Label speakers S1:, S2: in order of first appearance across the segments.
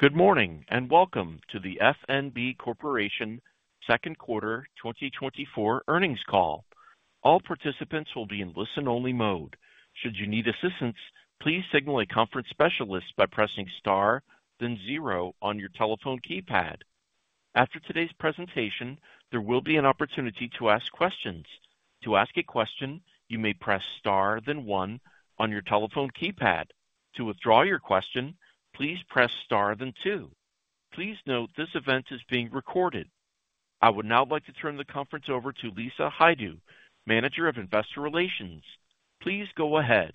S1: Good morning, and Welcome to the F.N.B. Corporation Second Quarter 2024 Earnings Call. All participants will be in listen-only mode. Should you need assistance, please signal a conference specialist by pressing Star then zero on your telephone keypad. After today's presentation, there will be an opportunity to ask questions. To ask a question, you may press Star then one on your telephone keypad. To withdraw your question, please press Star then two. Please note this event is being recorded. I would now like to turn the conference over to Lisa Haid, Manager of Investor Relations. Please go ahead.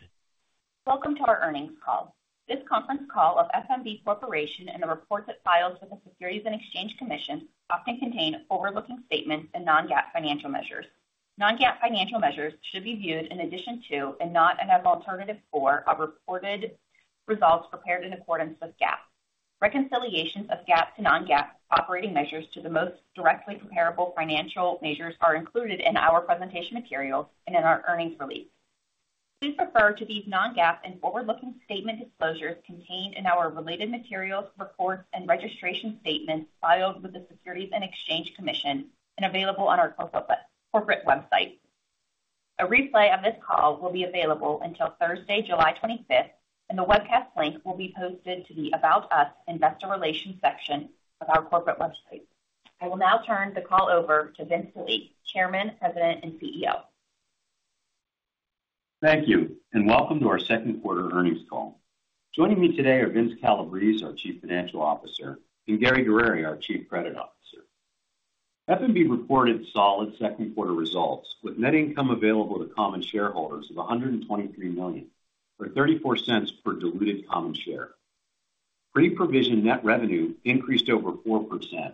S2: Welcome to our earnings call. This conference call of F.N.B. Corporation and the report that files with the Securities and Exchange Commission often contain forward-looking statements and non-GAAP financial measures. Non-GAAP financial measures should be viewed in addition to, and not an alternative for, our reported results prepared in accordance with GAAP. Reconciliations of GAAP to non-GAAP operating measures to the most directly comparable financial measures are included in our presentation materials and in our earnings release. Please refer to these non-GAAP and forward-looking statement disclosures contained in our related materials, reports, and registration statements filed with the Securities and Exchange Commission and available on our corporate website. A replay of this call will be available until Thursday, July 25, and the webcast link will be posted to the About Us Investor Relations section of our corporate website. I will now turn the call over to Vince Delie, Chairman, President, and CEO.
S3: Thank you, and welcome to our second quarter earnings call. Joining me today are Vince Calabrese, our Chief Financial Officer, and Gary Guerrieri, our Chief Credit Officer. FNB reported solid second quarter results, with net income available to common shareholders of $123 million, or $0.34 per diluted common share. Pre-provision net revenue increased over 4%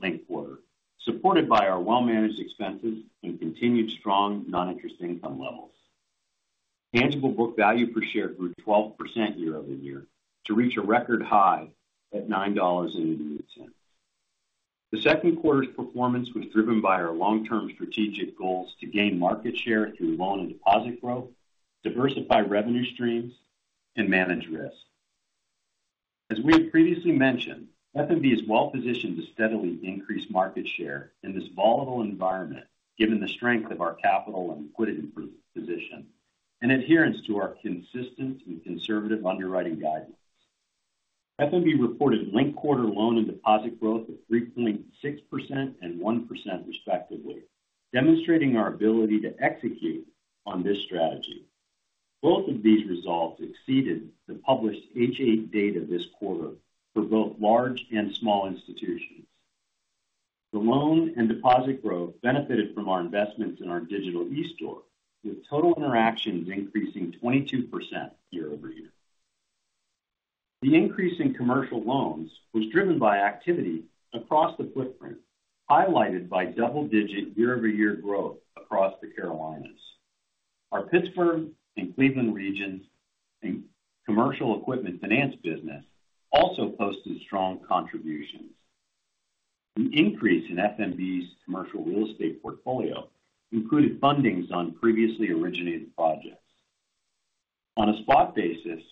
S3: linked quarter, supported by our well-managed expenses and continued strong non-interest income levels. Tangible book value per share grew 12% year-over-year to reach a record high at $9.88. The second quarter's performance was driven by our long-term strategic goals to gain market share through loan and deposit growth, diversify revenue streams, and manage risk. As we have previously mentioned, FNB is well positioned to steadily increase market share in this volatile environment, given the strength of our capital and liquidity position and adherence to our consistent and conservative underwriting guidance. FNB reported linked-quarter loan and deposit growth of 3.6% and 1%, respectively, demonstrating our ability to execute on this strategy. Both of these results exceeded the published H.8 data this quarter for both large and small institutions. The loan and deposit growth benefited from our investments in our digital eStore, with total interactions increasing 22% year-over-year. The increase in commercial loans was driven by activity across the footprint, highlighted by double-digit year-over-year growth across the Carolinas. Our Pittsburgh and Cleveland regions and commercial equipment finance business also posted strong contributions. An increase in FNB's commercial real estate portfolio included fundings on previously originated projects. On a spot basis,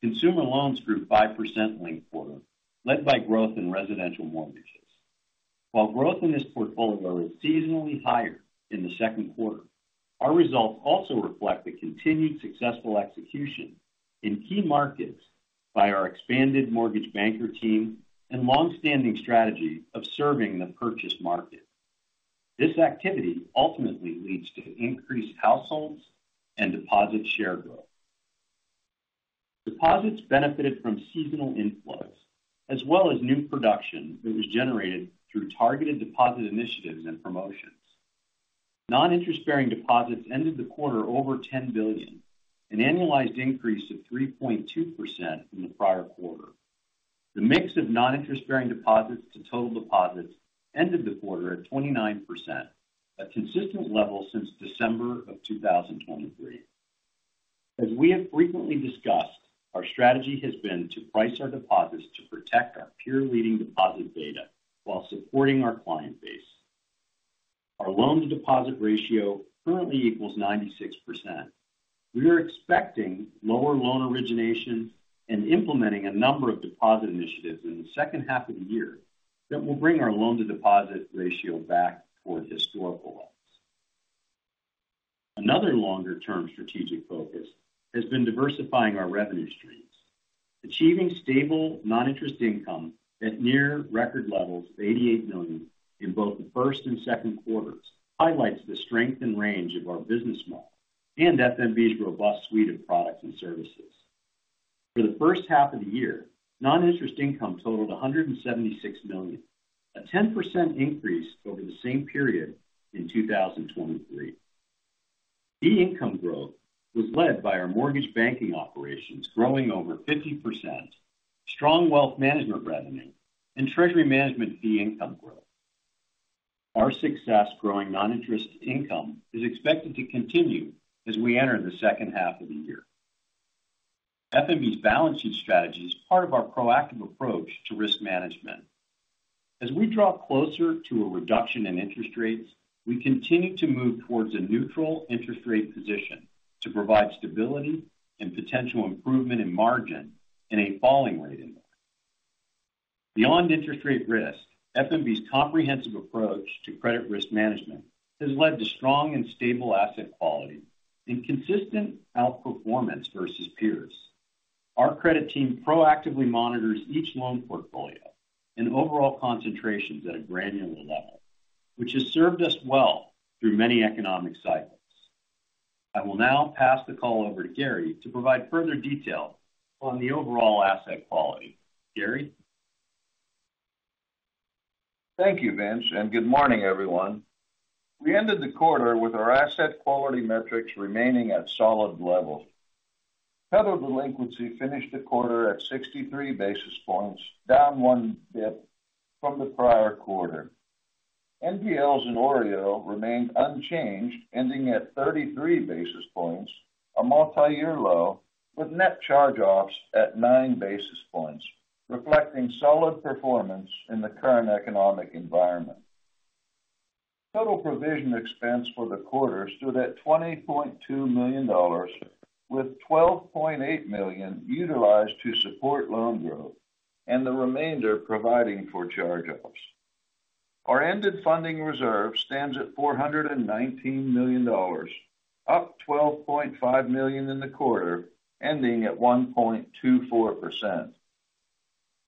S3: consumer loans grew 5% linked quarter, led by growth in residential mortgages. While growth in this portfolio is seasonally higher in the second quarter, our results also reflect the continued successful execution in key markets by our expanded mortgage banker team and long-standing strategy of serving the purchase market. This activity ultimately leads to increased households and deposit share growth. Deposits benefited from seasonal inflows as well as new production that was generated through targeted deposit initiatives and promotions. Non-interest-bearing deposits ended the quarter over $10 billion, an annualized increase of 3.2% from the prior quarter. The mix of non-interest-bearing deposits to total deposits ended the quarter at 29%, a consistent level since December of 2023. As we have frequently discussed, our strategy has been to price our deposits to protect our peer-leading deposit data while supporting our client base. Our loan-to-deposit ratio currently equals 96%. We are expecting lower loan origination and implementing a number of deposit initiatives in the second half of the year that will bring our loan-to-deposit ratio back toward historical levels. Another longer-term strategic focus has been diversifying our revenue streams. Achieving stable, non-interest income at near record levels of $88 million in both the first and second quarters highlights the strength and range of our business model and FNB's robust suite of products and services. For the first half of the year, non-interest income totaled $176 million, a 10% increase over the same period in 2023. The income growth was led by our mortgage banking operations, growing over 50%, strong wealth management revenue, and treasury management fee income growth. Our success growing non-interest income is expected to continue as we enter the second half of the year. FNB's balancing strategy is part of our proactive approach to risk management. As we draw closer to a reduction in interest rates, we continue to move towards a neutral interest rate position to provide stability and potential improvement in margin in a falling rate environment. Beyond interest rate risk, FNB's comprehensive approach to credit risk management has led to strong and stable asset quality and consistent outperformance versus peers. Our credit team proactively monitors each loan portfolio and overall concentrations at a granular level, which has served us well through many economic cycles. I will now pass the call over to Gary to provide further detail on the overall asset quality. Gary?
S4: Thank you, Vince, and good morning, everyone. We ended the quarter with our asset quality metrics remaining at solid levels. Total delinquency finished the quarter at 63 basis points, down 1 bip from the prior quarter. NPLs and OREO remained unchanged, ending at 33 basis points, a multi-year low, with net charge-offs at 9 basis points, reflecting solid performance in the current economic environment. Total provision expense for the quarter stood at $20.2 million, with $12.8 million utilized to support loan growth and the remainder providing for charge-offs. Our ended funding reserve stands at $419 million, up $12.5 million in the quarter, ending at 1.24%.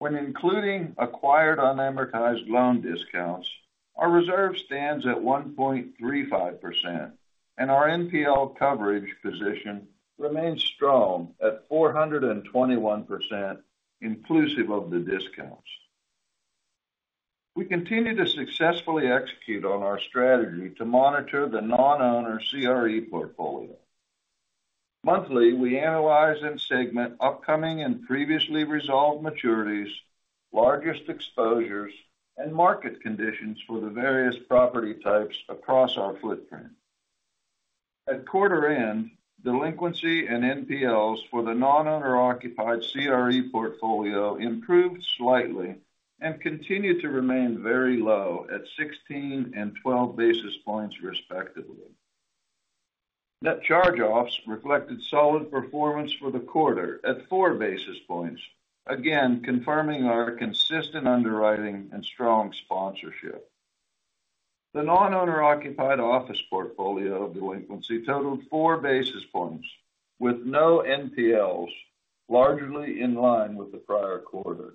S4: When including acquired unamortized loan discounts, our reserve stands at 1.35%, and our NPL coverage position remains strong at 421%, inclusive of the discounts. We continue to successfully execute on our strategy to monitor the non-owner CRE portfolio. Monthly, we analyze and segment upcoming and previously resolved maturities, largest exposures, and market conditions for the various property types across our footprint. At quarter end, delinquency and NPLs for the non-owner occupied CRE portfolio improved slightly and continued to remain very low at 16 and 12 basis points, respectively. Net charge-offs reflected solid performance for the quarter at 4 basis points, again, confirming our consistent underwriting and strong sponsorship. The non-owner occupied office portfolio delinquency totaled 4 basis points, with no NPLs, largely in line with the prior quarter.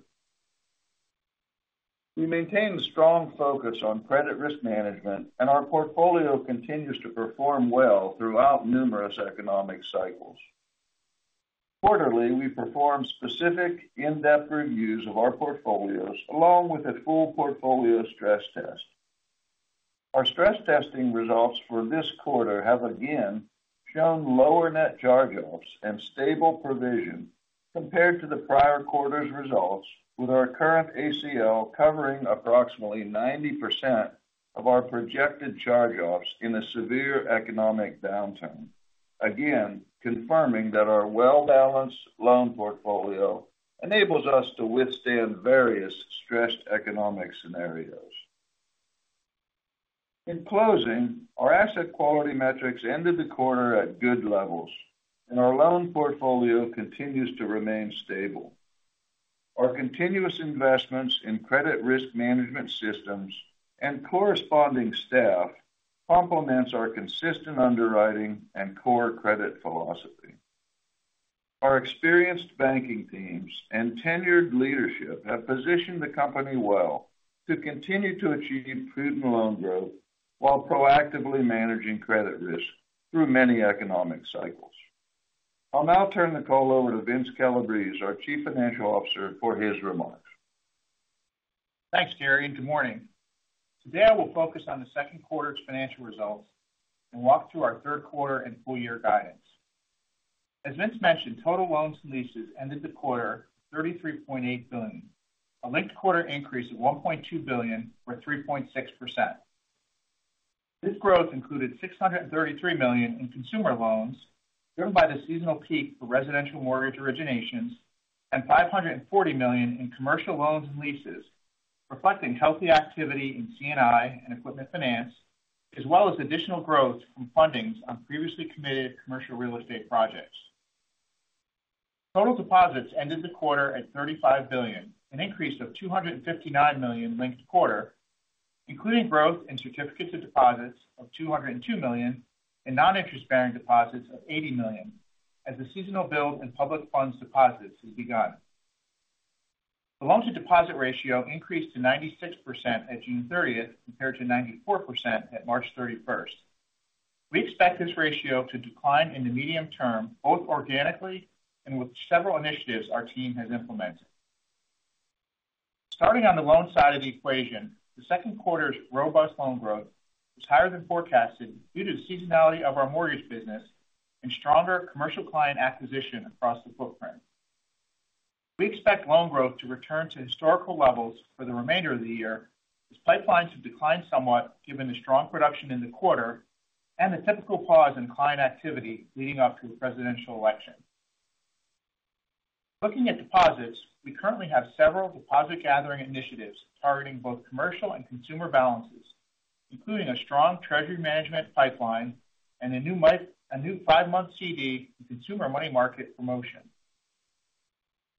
S4: We maintain a strong focus on credit risk management, and our portfolio continues to perform well throughout numerous economic cycles. Quarterly, we perform specific in-depth reviews of our portfolios, along with a full portfolio stress test. Our stress testing results for this quarter have again shown lower net charge-offs and stable provision compared to the prior quarter's results, with our current ACL covering approximately 90% of our projected charge-offs in a severe economic downturn. Again, confirming that our well-balanced loan portfolio enables us to withstand various stressed economic scenarios. In closing, our asset quality metrics ended the quarter at good levels, and our loan portfolio continues to remain stable. Our continuous investments in credit risk management systems and corresponding staff complements our consistent underwriting and core credit philosophy. Our experienced banking teams and tenured leadership have positioned the company well to continue to achieve prudent loan growth while proactively managing credit risk through many economic cycles. I'll now turn the call over to Vince Calabrese, our Chief Financial Officer, for his remarks.
S5: Thanks, Gary, and good morning. Today, I will focus on the second quarter's financial results and walk through our third quarter and full year guidance. As Vince mentioned, total loans and leases ended the quarter $33.8 billion, a linked quarter increase of $1.2 billion, or 3.6%. This growth included $633 million in consumer loans, driven by the seasonal peak for residential mortgage originations, and $540 million in commercial loans and leases, reflecting healthy activity in C&I and equipment finance, as well as additional growth from fundings on previously committed commercial real estate projects. Total deposits ended the quarter at $35 billion, an increase of $259 million linked quarter, including growth in certificates of deposit of $202 million and non-interest bearing deposits of $80 million, as the seasonal build in public funds deposits has begun. The loan-to-deposit ratio increased to 96% at June 30, compared to 94% at March 31. We expect this ratio to decline in the medium term, both organically and with several initiatives our team has implemented. Starting on the loan side of the equation, the second quarter's robust loan growth was higher than forecasted due to the seasonality of our mortgage business and stronger commercial client acquisition across the footprint. We expect loan growth to return to historical levels for the remainder of the year, as pipelines have declined somewhat, given the strong production in the quarter and the typical pause in client activity leading up to the presidential election. Looking at deposits, we currently have several deposit gathering initiatives targeting both commercial and consumer balances, including a strong treasury management pipeline and a new five-month CD and consumer money market promotion.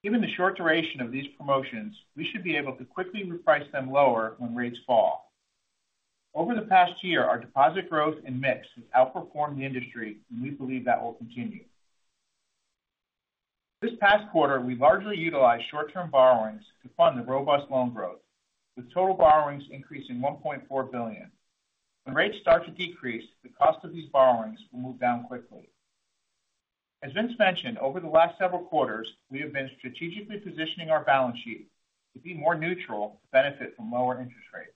S5: Given the short duration of these promotions, we should be able to quickly reprice them lower when rates fall. Over the past year, our deposit growth and mix has outperformed the industry, and we believe that will continue. This past quarter, we largely utilized short-term borrowings to fund the robust loan growth, with total borrowings increasing $1.4 billion. When rates start to decrease, the cost of these borrowings will move down quickly. As Vince mentioned, over the last several quarters, we have been strategically positioning our balance sheet to be more neutral to benefit from lower interest rates.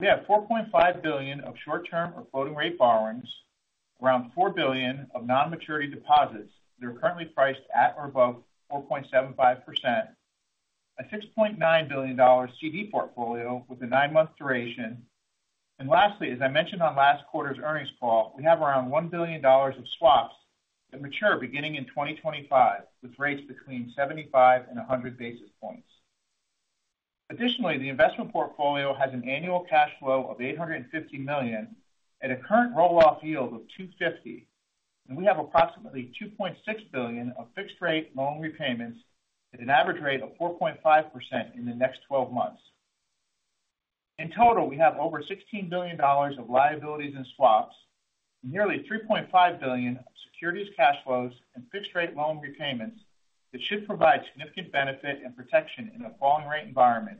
S5: We have $4.5 billion of short-term or floating rate borrowings, around $4 billion of non-maturity deposits that are currently priced at or above 4.75%, a $6.9 billion CD portfolio with a 9-month duration. And lastly, as I mentioned on last quarter's earnings call, we have around $1 billion of swaps that mature beginning in 2025, with rates between 75 and 100 basis points. Additionally, the investment portfolio has an annual cash flow of $850 million at a current roll-off yield of 2.50, and we have approximately $2.6 billion of fixed rate loan repayments at an average rate of 4.5% in the next twelve months. In total, we have over $16 billion of liabilities and swaps and nearly $3.5 billion of securities cash flows and fixed rate loan repayments that should provide significant benefit and protection in a falling rate environment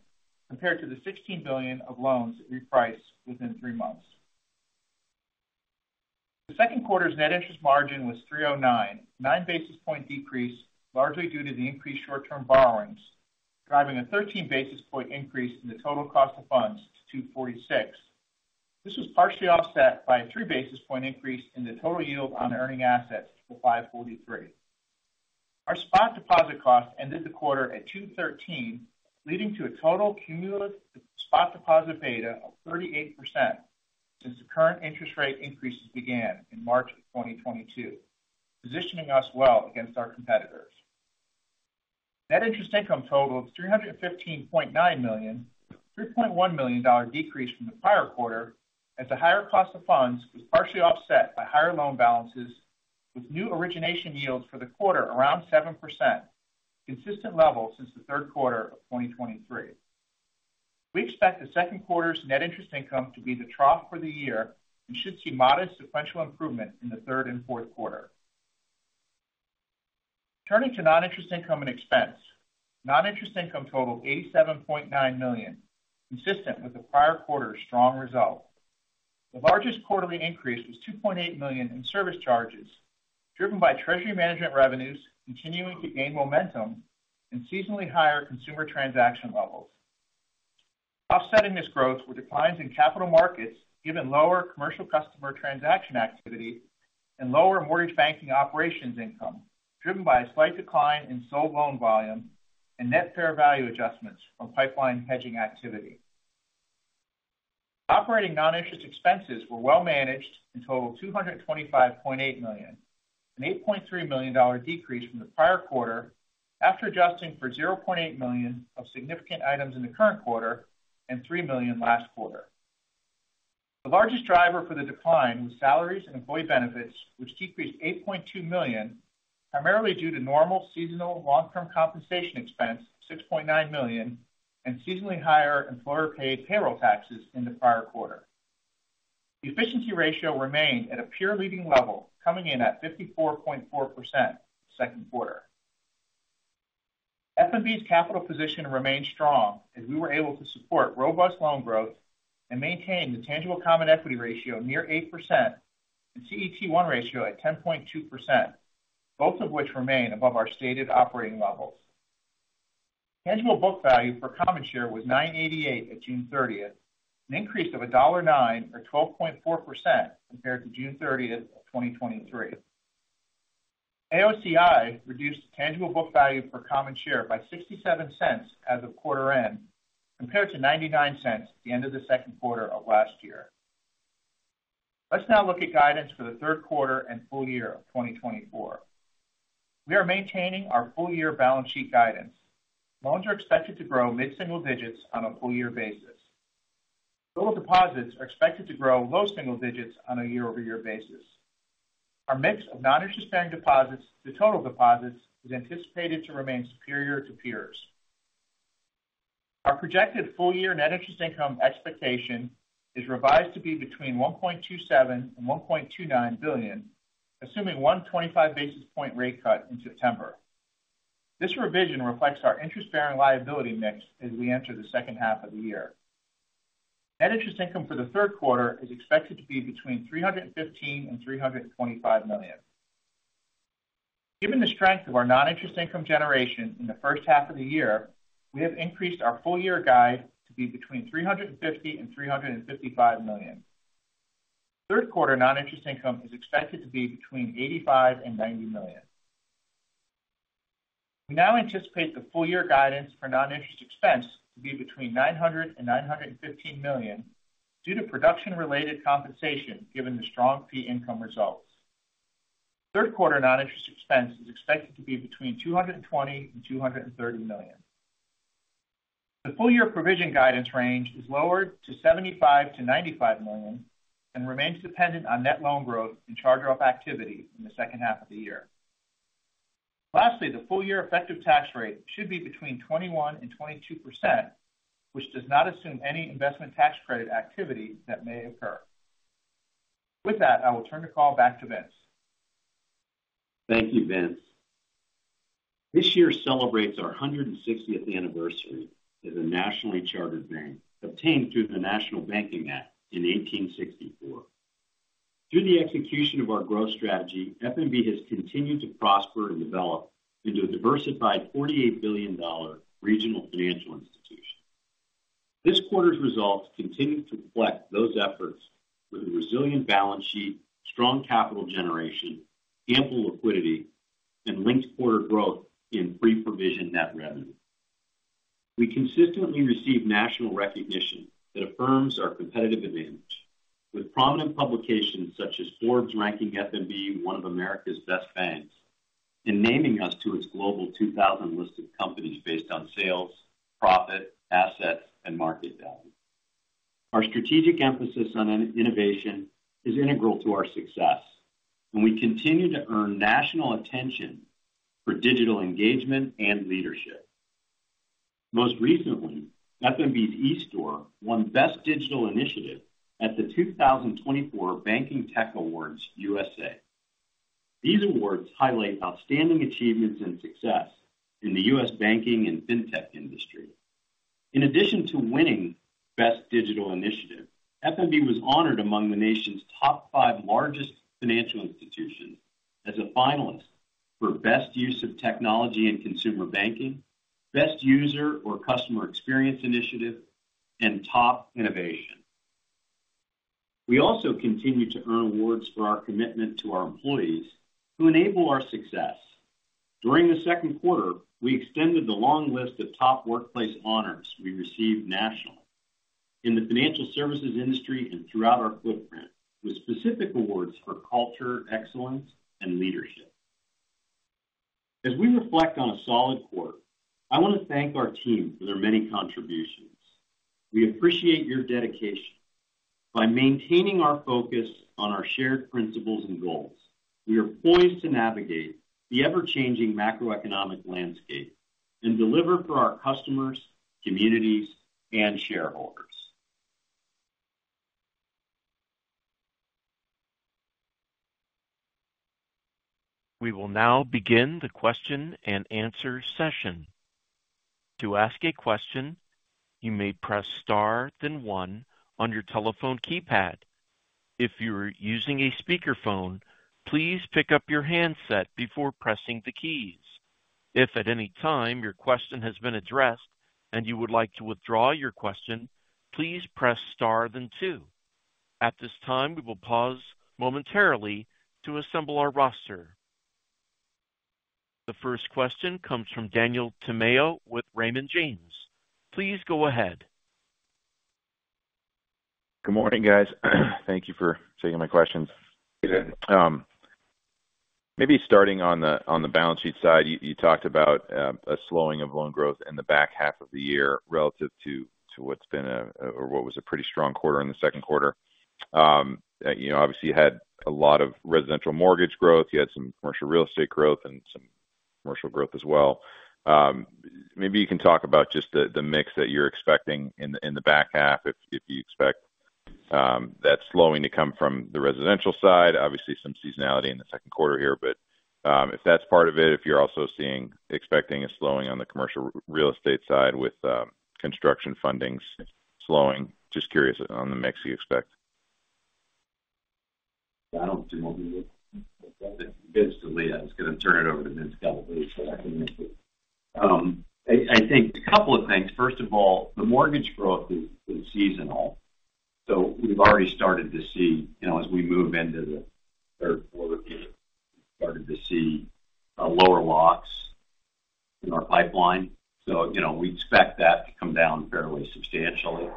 S5: compared to the $16 billion of loans repriced within three months. The second quarter's net interest margin was 3.09, a 9 basis point decrease, largely due to the increased short-term borrowings, driving a 13 basis point increase in the total cost of funds to 2.46. This was partially offset by a 3 basis point increase in the total yield on earning assets to 5.43. Our spot deposit cost ended the quarter at 2.13, leading to a total cumulative spot deposit beta of 38% since the current interest rate increases began in March 2022, positioning us well against our competitors. Net interest income totaled $315.9 million, a $3.1 million dollar decrease from the prior quarter, as the higher cost of funds was partially offset by higher loan balances, with new origination yields for the quarter around 7%, consistent level since the third quarter of 2023. We expect the second quarter's net interest income to be the trough for the year and should see modest sequential improvement in the third and fourth quarter. Turning to non-interest income and expense. Non-interest income totaled $87.9 million, consistent with the prior quarter's strong result. The largest quarterly increase was $2.8 million in service charges, driven by treasury management revenues continuing to gain momentum and seasonally higher consumer transaction levels. Offsetting this growth were declines in capital markets, given lower commercial customer transaction activity and lower mortgage banking operations income, driven by a slight decline in sold loan volume and net fair value adjustments from pipeline hedging activity. Operating non-interest expenses were well managed and totaled $225.8 million, an $8.3 million decrease from the prior quarter after adjusting for $0.8 million of significant items in the current quarter and $3 million last quarter. The largest driver for the decline was salaries and employee benefits, which decreased $8.2 million, primarily due to normal seasonal long-term compensation expense of $6.9 million and seasonally higher employer-paid payroll taxes in the prior quarter. The efficiency ratio remained at a peer-leading level, coming in at 54.4% second quarter. FNB's capital position remained strong as we were able to support robust loan growth and maintain the tangible common equity ratio near 8% and CET1 ratio at 10.2%, both of which remain above our stated operating levels. Tangible book value per common share was $9.88 at June 30, an increase of $1.09 or 12.4% compared to June 30 of 2023. AOCI reduced tangible book value per common share by $0.67 as of quarter end, compared to $0.99 at the end of the second quarter of last year. Let's now look at guidance for the third quarter and full year of 2024. We are maintaining our full-year balance sheet guidance. Loans are expected to grow mid-single digits on a full year basis. Total deposits are expected to grow low single digits on a year-over-year basis. Our mix of non-interest bearing deposits to total deposits is anticipated to remain superior to peers. Our projected full-year net interest income expectation is revised to be between $1.27 billion and $1.29 billion, assuming 125 basis point rate cut in September. This revision reflects our interest-bearing liability mix as we enter the second half of the year. Net interest income for the third quarter is expected to be between $315 million and $325 million. Given the strength of our non-interest income generation in the first half of the year, we have increased our full-year guide to be between $350 million and $355 million. Third quarter non-interest income is expected to be between $85 million and $90 million. We now anticipate the full-year guidance for non-interest expense to be between $900 million and $915 million, due to production-related compensation, given the strong fee income results. Third quarter non-interest expense is expected to be between $220 million and $230 million. The full year provision guidance range is lowered to $75 million-$95 million, and remains dependent on net loan growth and charge-off activity in the second half of the year. Lastly, the full year effective tax rate should be between 21% and 22%, which does not assume any investment tax credit activity that may occur. With that, I will turn the call back to Vince.
S3: Thank you, Vince. This year celebrates our 160th anniversary as a nationally chartered bank, obtained through the National Banking Act in 1864. Through the execution of our growth strategy, FNB has continued to prosper and develop into a diversified $48 billion regional financial institution. This quarter's results continue to reflect those efforts with a resilient balance sheet, strong capital generation, ample liquidity, and linked-quarter growth in pre-provision net revenue. We consistently receive national recognition that affirms our competitive advantage, with prominent publications such as Forbes ranking FNB one of America's best banks and naming us to its Global 2000 list of companies based on sales, profit, assets, and market value. Our strategic emphasis on innovation is integral to our success, and we continue to earn national attention for digital engagement and leadership. Most recently, FNB's eStore won Best Digital Initiative at the 2024 Banking Tech Awards USA. These awards highlight outstanding achievements and success in the U.S. banking and fintech industry. In addition to winning Best Digital Initiative, FNB was honored among the nation's top five largest financial institutions as a finalist for Best Use of Technology in Consumer Banking, Best User or Customer Experience Initiative, and Top Innovation. We also continue to earn awards for our commitment to our employees, who enable our success. During the second quarter, we extended the long list of top workplace honors we received nationally in the financial services industry and throughout our footprint, with specific awards for culture, excellence, and leadership. As we reflect on a solid quarter, I want to thank our team for their many contributions. We appreciate your dedication. By maintaining our focus on our shared principles and goals, we are poised to navigate the ever-changing macroeconomic landscape and deliver for our customers, communities, and shareholders.
S1: We will now begin the question-and-answer session. To ask a question, you may press star, then one on your telephone keypad. If you're using a speakerphone, please pick up your handset before pressing the keys. If at any time your question has been addressed and you would like to withdraw your question, please press star, then two. At this time, we will pause momentarily to assemble our roster. The first question comes from Daniel Tamayo with Raymond James. Please go ahead.
S6: Good morning, guys. Thank you for taking my questions. Maybe starting on the, on the balance sheet side, you, you talked about a slowing of loan growth in the back half of the year relative to, to what's been a, or what was a pretty strong quarter in the second quarter. You know, obviously, you had a lot of residential mortgage growth. You had some commercial real estate growth and some commercial growth as well. Maybe you can talk about just the, the mix that you're expecting in the, in the back half, if, if you expect that slowing to come from the residential side. Obviously, some seasonality in the second quarter here, but, if that's part of it, if you're also seeing expecting a slowing on the commercial real estate side with construction fundings slowing. Just curious on the mix you expect?
S3: Daniel, do you want to do this? Basically, I was going to turn it over to Vince Calabrese, but I can answer. I think a couple of things. First of all, the mortgage growth is seasonal, so we've already started to see, you know, as we move into the third quarter here, lower locks in our pipeline. So, you know, we expect that to come down fairly substantially.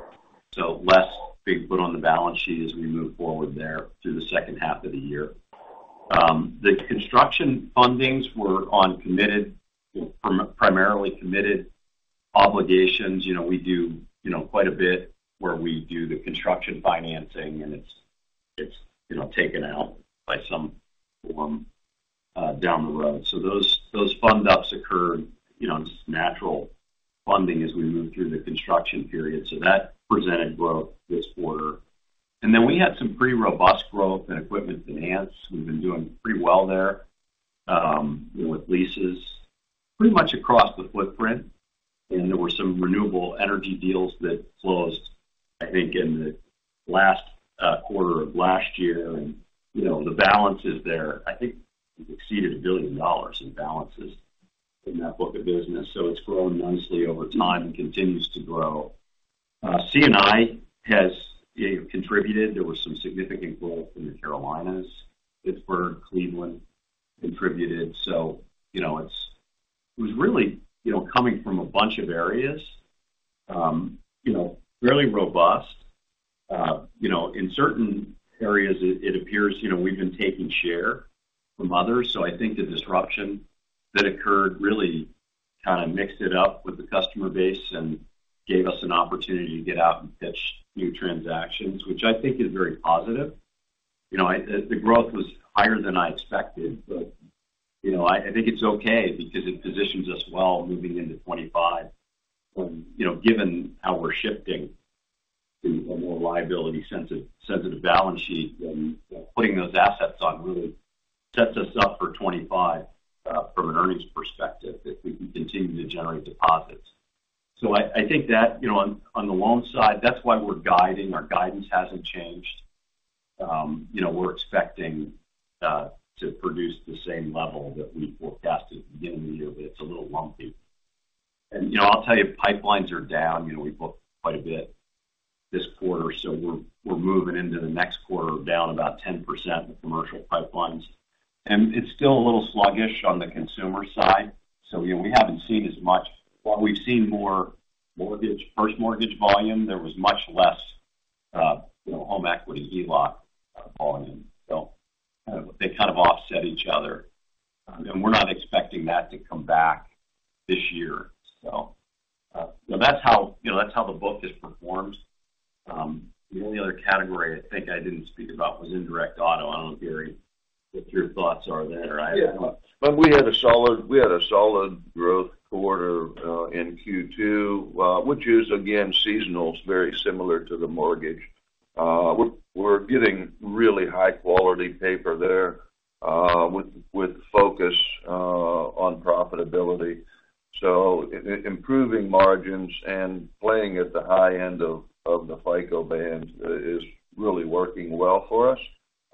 S3: So less big footprint on the balance sheet as we move forward there through the second half of the year. The construction fundings were on committed, primarily committed obligations. You know, we do quite a bit where we do the construction financing and it's taken out by some form down the road. So those, those fund ups occur, you know, just natural funding as we move through the construction period. So that presented growth this quarter. And then we had some pretty robust growth in equipment finance. We've been doing pretty well there with leases pretty much across the footprint. And there were some renewable energy deals that closed, I think, in the last quarter of last year. And, you know, the balances there, I think, we've exceeded $1 billion in balances in that book of business, so it's grown nicely over time and continues to grow. C&I has contributed. There was some significant growth in the Carolinas. Pittsburgh, Cleveland contributed, so, you know, it was really, you know, coming from a bunch of areas, you know, fairly robust. You know, in certain areas, it, it appears, you know, we've been taking share from others. So I think the disruption that occurred really kind of mixed it up with the customer base and gave us an opportunity to get out and pitch new transactions, which I think is very positive. You know, the growth was higher than I expected, but, you know, I think it's okay because it positions us well moving into 2025. From, you know, given how we're shifting to a more liability-sensitive balance sheet, then putting those assets on really sets us up for 2025, from an earnings perspective, if we can continue to generate deposits. So I think that, you know, on the loan side, that's why we're guiding. Our guidance hasn't changed. You know, we're expecting to produce the same level that we forecasted at the beginning of the year, but it's a little lumpy. You know, I'll tell you, pipelines are down. You know, we booked quite a bit this quarter, so we're moving into the next quarter down about 10% with commercial pipelines. It's still a little sluggish on the consumer side. You know, we haven't seen as much. While we've seen more mortgage, first mortgage volume, there was much less, you know, home equity, HELOC, volume. Kind of, they kind of offset each other. We're not expecting that to come back this year. That's how, you know, that's how the book has performed. The only other category I think I didn't speak about was indirect auto. I don't know, Gary, what your thoughts are there, or I-
S4: Yeah. But we had a solid, we had a solid growth quarter in Q2, which is again seasonal. It's very similar to the mortgage. We're getting really high-quality paper there with focus on profitability. So improving margins and playing at the high end of the FICO band is really working well for us.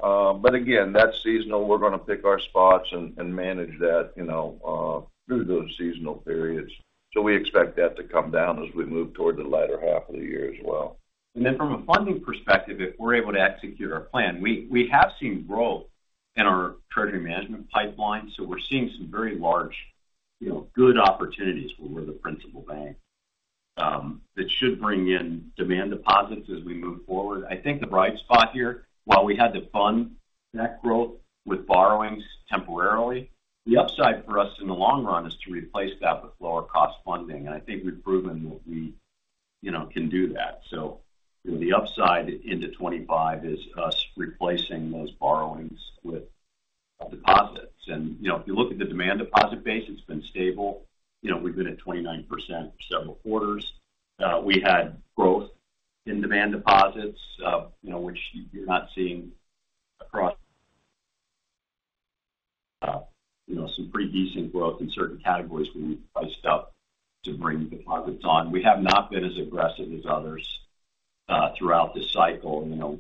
S4: But again, that's seasonal. We're going to pick our spots and manage that, you know, through those seasonal periods. So we expect that to come down as we move toward the latter half of the year as well.
S3: And then from a funding perspective, if we're able to execute our plan, we have seen growth in our treasury management pipeline, so we're seeing some very large, you know, good opportunities where we're the principal bank, that should bring in demand deposits as we move forward. I think the bright spot here, while we had to fund that growth with borrowings temporarily, the upside for us in the long run is to replace that with lower-cost funding, and I think we've proven that we, you know, can do that. So, you know, the upside into 25 is us replacing those borrowings with deposits. And, you know, if you look at the demand deposit base, it's been stable. You know, we've been at 29% for several quarters. We had growth in demand deposits, you know, which you're not seeing across, you know, some pretty decent growth in certain categories where we priced out to bring deposits on. We have not been as aggressive as others throughout this cycle, and, you know,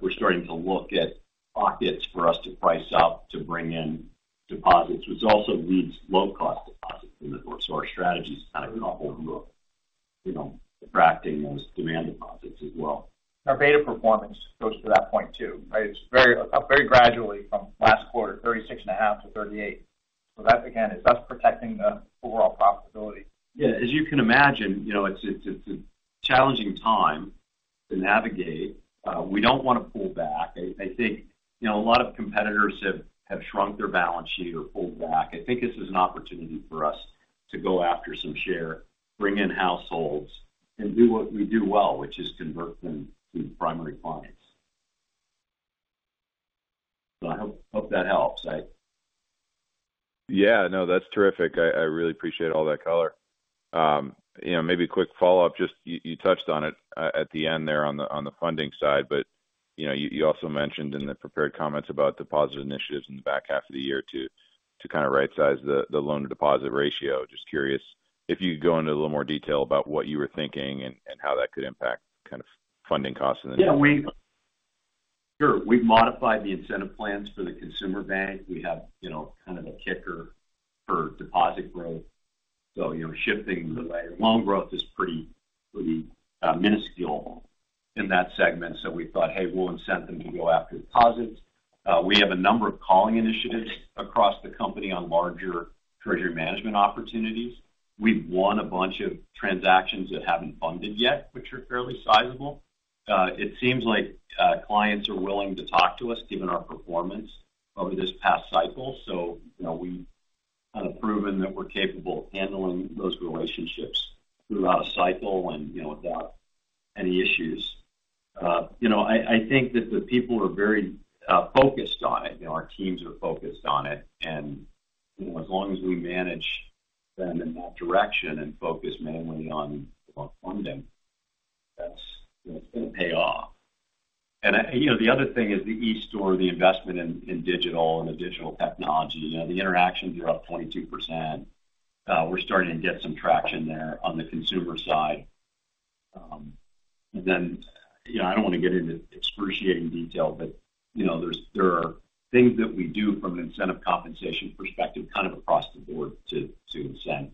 S3: we're starting to look at pockets for us to price out, to bring in deposits, which also means low-cost deposits in the... So our strategy is kind of an overall, you know, attracting those demand deposits as well.
S7: Our beta performance goes to that point, too, right? It's very, up very gradually from last quarter, 36.5-38. So that, again, is us protecting the overall profitability.
S3: Yeah. As you can imagine, you know, it's a challenging time to navigate. We don't want to pull back. I think, you know, a lot of competitors have shrunk their balance sheet or pulled back. I think this is an opportunity for us to go after some share, bring in households, and do what we do well, which is convert them to primary clients. So I hope that helps. I-
S6: Yeah. No, that's terrific. I really appreciate all that color. You know, maybe a quick follow-up, just you touched on it at the end there on the funding side, but you know, you also mentioned in the prepared comments about deposit initiatives in the back half of the year to kind of rightsize the loan-to-deposit ratio. Just curious if you could go into a little more detail about what you were thinking and how that could impact kind of funding costs in the-
S3: Yeah. Sure. We've modified the incentive plans for the consumer bank. We have, you know, kind of a kicker for deposit growth. So, you know, loan growth is pretty minuscule in that segment. So we thought, "Hey, we'll incent them to go after deposits." We have a number of calling initiatives across the company on larger treasury management opportunities. We've won a bunch of transactions that haven't funded yet, which are fairly sizable. It seems like clients are willing to talk to us, given our performance over this past cycle. So, you know, we've kind of proven that we're capable of handling those relationships throughout a cycle and, you know, without any issues. You know, I think that the people are very focused on it. You know, our teams are focused on it, and, you know, as long as we manage them in that direction and focus mainly on funding, that's, you know, going to pay off. And, you know, the other thing is the eStore, the investment in digital and the digital technology. You know, the interactions are up 22%. We're starting to get some traction there on the consumer side. Then, you know, I don't want to get into excruciating detail, but, you know, there are things that we do from an incentive compensation perspective, kind of across the board to incent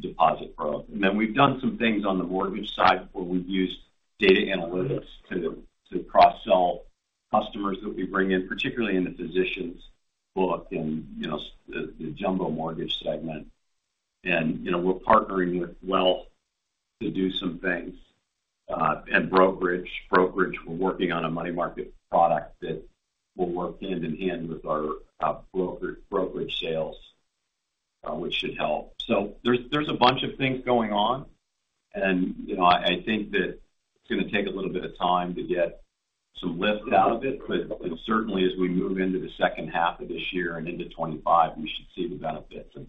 S3: deposit growth. And then we've done some things on the mortgage side, where we've used data analytics to cross-sell customers that we bring in, particularly in the physicians book and, you know, the jumbo mortgage segment. You know, we're partnering with wealth to do some things. And brokerage, we're working on a money market product that will work hand in hand with our brokerage sales, which should help. So there's a bunch of things going on. And, you know, I think that it's going to take a little bit of time to get some lift out of it, but certainly as we move into the second half of this year and into 25, we should see the benefits of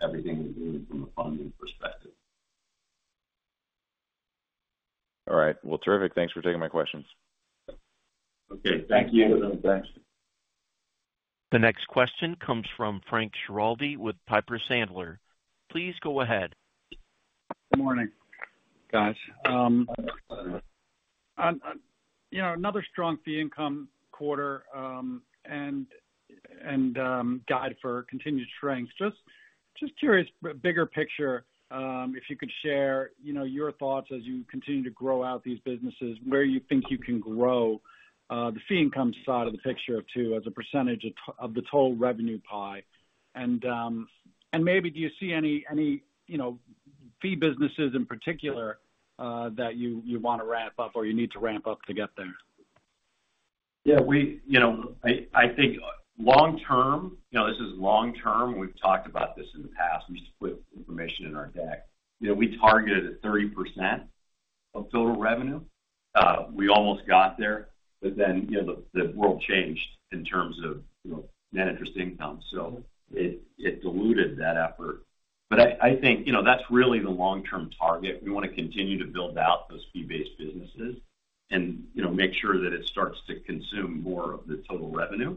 S3: everything we're doing from a funding perspective.
S6: All right. Well, terrific. Thanks for taking my questions.
S3: Okay. Thank you.
S1: The next question comes from Frank Schiraldi with Piper Sandler. Please go ahead.
S8: Good morning, guys. On, you know, another strong fee income quarter, and guide for continued strength. Just curious, but bigger picture, if you could share, you know, your thoughts as you continue to grow out these businesses, where you think you can grow the fee income side of the picture, too, as a percentage of the total revenue pie. And maybe do you see any, you know, fee businesses in particular that you want to ramp up or you need to ramp up to get there?
S3: Yeah, you know, I think long term, you know, this is long term. We've talked about this in the past. We just put information in our deck. You know, we targeted at 30% of total revenue. We almost got there, but then, you know, the world changed in terms of, you know, net interest income, so it diluted that effort. But I think, you know, that's really the long-term target. We want to continue to build out those fee-based businesses and, you know, make sure that it starts to consume more of the total revenue.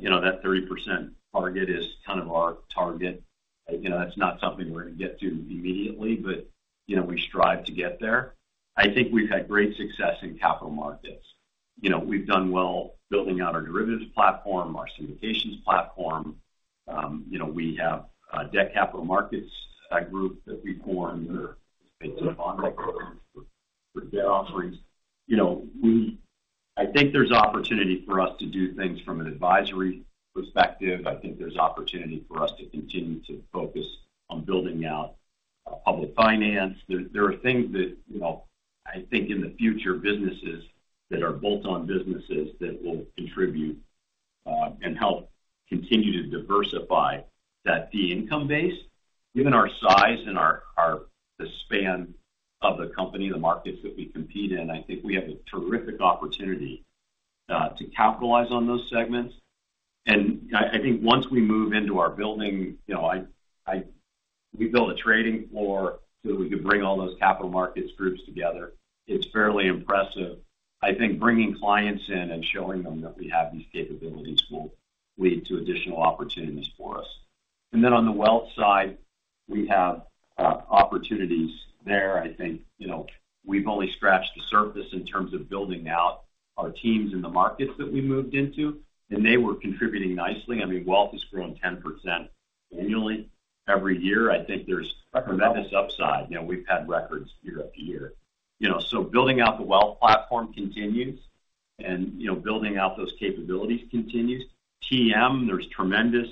S3: You know, that 30% target is kind of our target. You know, that's not something we're going to get to immediately, but, you know, we strive to get there. I think we've had great success in capital markets. You know, we've done well building out our derivatives platform, our syndications platform. You know, we have a debt capital markets group that we formed that are based on bond programs for debt offerings. You know, I think there's opportunity for us to do things from an advisory perspective. I think there's opportunity for us to continue to focus on building out public finance. There are things that, you know, I think in the future, businesses that are bolt-on businesses that will contribute and help continue to diversify that fee income base. Given our size and our, our, the span of the company, the markets that we compete in, I think we have a terrific opportunity to capitalize on those segments. I think once we move into our building, you know, we built a trading floor so that we could bring all those capital markets groups together. It's fairly impressive. I think bringing clients in and showing them that we have these capabilities will lead to additional opportunities for us. And then on the wealth side, we have opportunities there. I think, you know, we've only scratched the surface in terms of building out our teams in the markets that we moved into, and they were contributing nicely. I mean, wealth has grown 10% annually every year. I think there's tremendous upside. You know, we've had records year after year. You know, so building out the wealth platform continues and, you know, building out those capabilities continues. TM, there's tremendous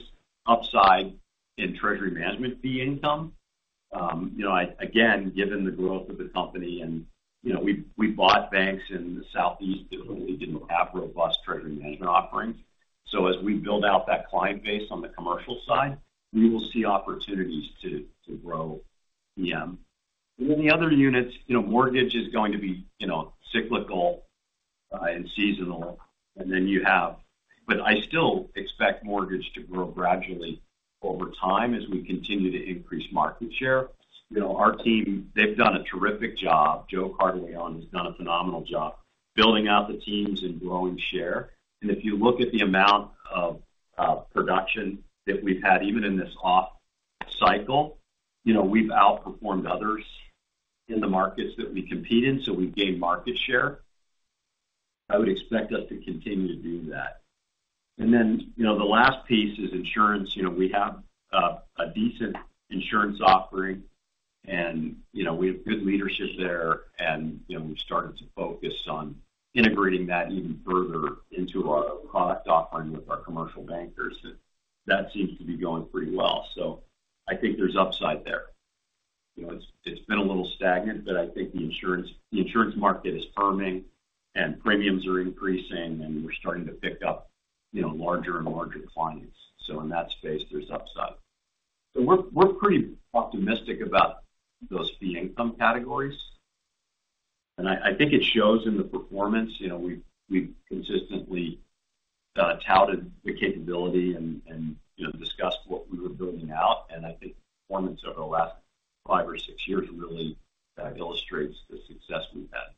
S3: upside in treasury management fee income. You know, I again, given the growth of the company and, you know, we bought banks in the Southeast that really didn't have robust treasury management offerings. So as we build out that client base on the commercial side, we will see opportunities to grow TM. And then the other units, you know, mortgage is going to be, you know, cyclical and seasonal, and then you have... But I still expect mortgage to grow gradually over time as we continue to increase market share. You know, our team, they've done a terrific job. Joe Cortese has done a phenomenal job building out the teams and growing share. And if you look at the amount of production that we've had, even in this off cycle, you know, we've outperformed others in the markets that we compete in, so we've gained market share. I would expect us to continue to do that. And then, you know, the last piece is insurance. You know, we have a decent insurance offering and, you know, we have good leadership there, and, you know, we've started to focus on integrating that even further into our product offering with our commercial bankers, and that seems to be going pretty well. So I think there's upside there. You know, it's, it's been a little stagnant, but I think the insurance, the insurance market is firming and premiums are increasing, and we're starting to pick up, you know, larger and larger clients. So in that space, there's upside. So we're, we're pretty optimistic about those fee income categories, and I, I think it shows in the performance. You know, we've consistently touted the capability and you know, discussed what we were building out, and I think performance over the last five or six years really illustrates the success we've had.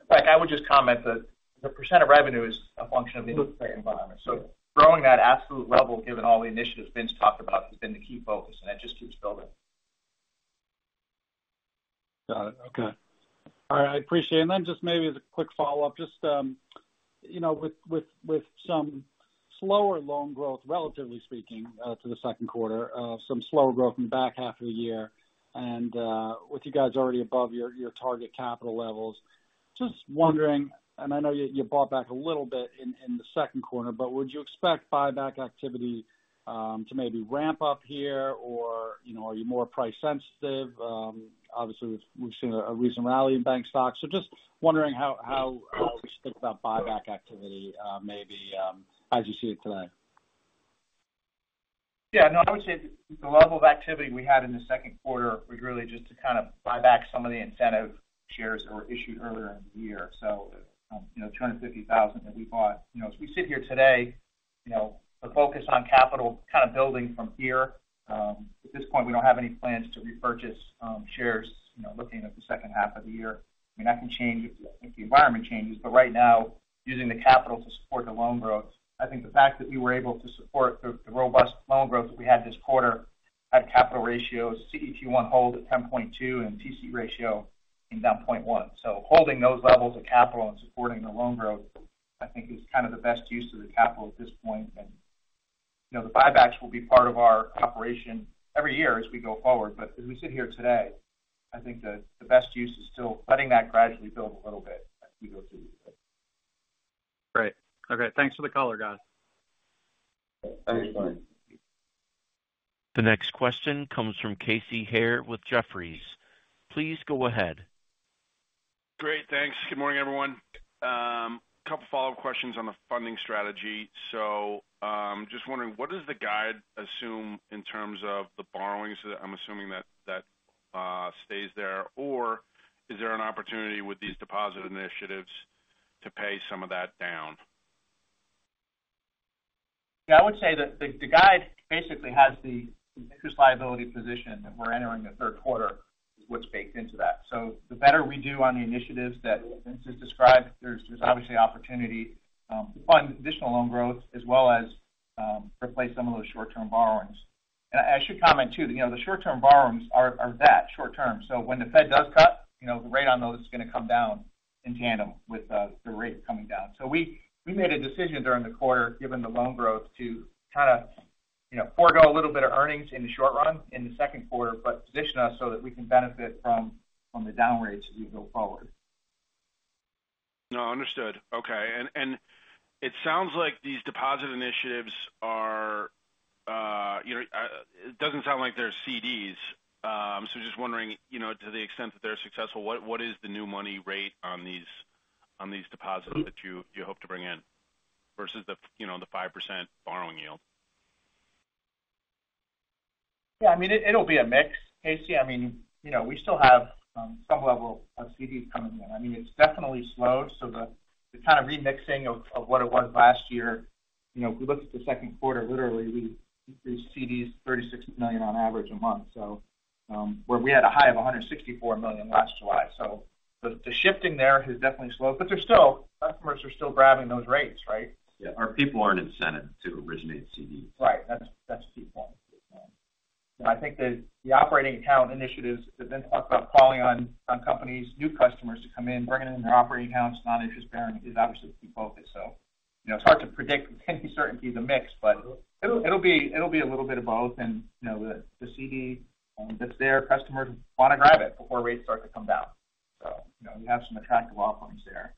S7: In fact, I would just comment that the percent of revenue is a function of the interest rate environment. So growing that absolute level, given all the initiatives Vince talked about, has been the key focus, and that just keeps building.
S8: Got it. Okay. All right, I appreciate it. And then just maybe as a quick follow-up, you know, with some slower loan growth, relatively speaking, to the second quarter, some slower growth in the back half of the year and, with you guys already above your target capital levels. Just wondering, and I know you bought back a little bit in the second quarter, but would you expect buyback activity to maybe ramp up here? Or, you know, are you more price sensitive? Obviously, we've seen a recent rally in bank stocks, so just wondering how we should think about buyback activity, maybe, as you see it today.
S7: Yeah, no, I would say the level of activity we had in the second quarter was really just to kind of buy back some of the incentive shares that were issued earlier in the year. So, you know, 250,000 that we bought. You know, as we sit here today, you know, the focus on capital kind of building from here, at this point, we don't have any plans to repurchase shares, you know, looking at the second half of the year. I mean, that can change if the environment changes, but right now, using the capital to support the loan growth, I think the fact that we were able to support the, the robust loan growth that we had this quarter at capital ratios, CET1 hold at 10.2% and TC ratio came down 0.1%. Holding those levels of capital and supporting the loan growth, I think is kind of the best use of the capital at this point. You know, the buybacks will be part of our operation every year as we go forward. But as we sit here today, I think the best use is still letting that gradually build a little bit as we go through.
S8: Great. Okay, thanks for the color, guys.
S7: Thanks.
S1: The next question comes from Casey Haire with Jefferies. Please go ahead.
S9: Great, thanks. Good morning, everyone. A couple follow-up questions on the funding strategy. Just wondering, what does the guide assume in terms of the borrowings? I'm assuming that, that, stays there. Or is there an opportunity with these deposit initiatives to pay some of that down?
S7: Yeah, I would say that the guide basically has the interest liability position that we're entering the third quarter, is what's baked into that. So the better we do on the initiatives that Vince has described, there's obviously opportunity to fund additional loan growth as well as replace some of those short-term borrowings. And I should comment, too, that, you know, the short-term borrowings are that short term. So when the Fed does cut, you know, the rate on those is going to come down in tandem with the rate coming down. So we made a decision during the quarter, given the loan growth, to kind of, you know, forego a little bit of earnings in the short run in the second quarter, but position us so that we can benefit from the down rates as we go forward.
S9: No, understood. Okay. And, and it sounds like these deposit initiatives are, you know, it doesn't sound like they're CDs. So just wondering, you know, to the extent that they're successful, what, what is the new money rate on these, on these deposits that you, you hope to bring in versus the, you know, the 5% borrowing yield?
S7: Yeah, I mean, it'll be a mix, Casey. I mean, you know, we still have some level of CDs coming in. I mean, it's definitely slow, so the kind of remixing of what it was last year, you know, if we look at the second quarter, literally, we decreased CDs $36 million on average a month. So, where we had a high of $164 million last July. So the shifting there has definitely slowed, but they're still - customers are still grabbing those rates, right?
S3: Yeah. Our people aren't incented to originate CDs.
S7: Right. That's a key point. I think that the operating account initiatives that Vince talked about, calling on companies, new customers to come in, bringing in their operating accounts, non-interest bearing, is obviously the key focus. So it's hard to predict with any certainty the mix, but it'll be a little bit of both. And, you know, the CD that's there, customers want to grab it before rates start to come down. So, you know, we have some attractive offerings there.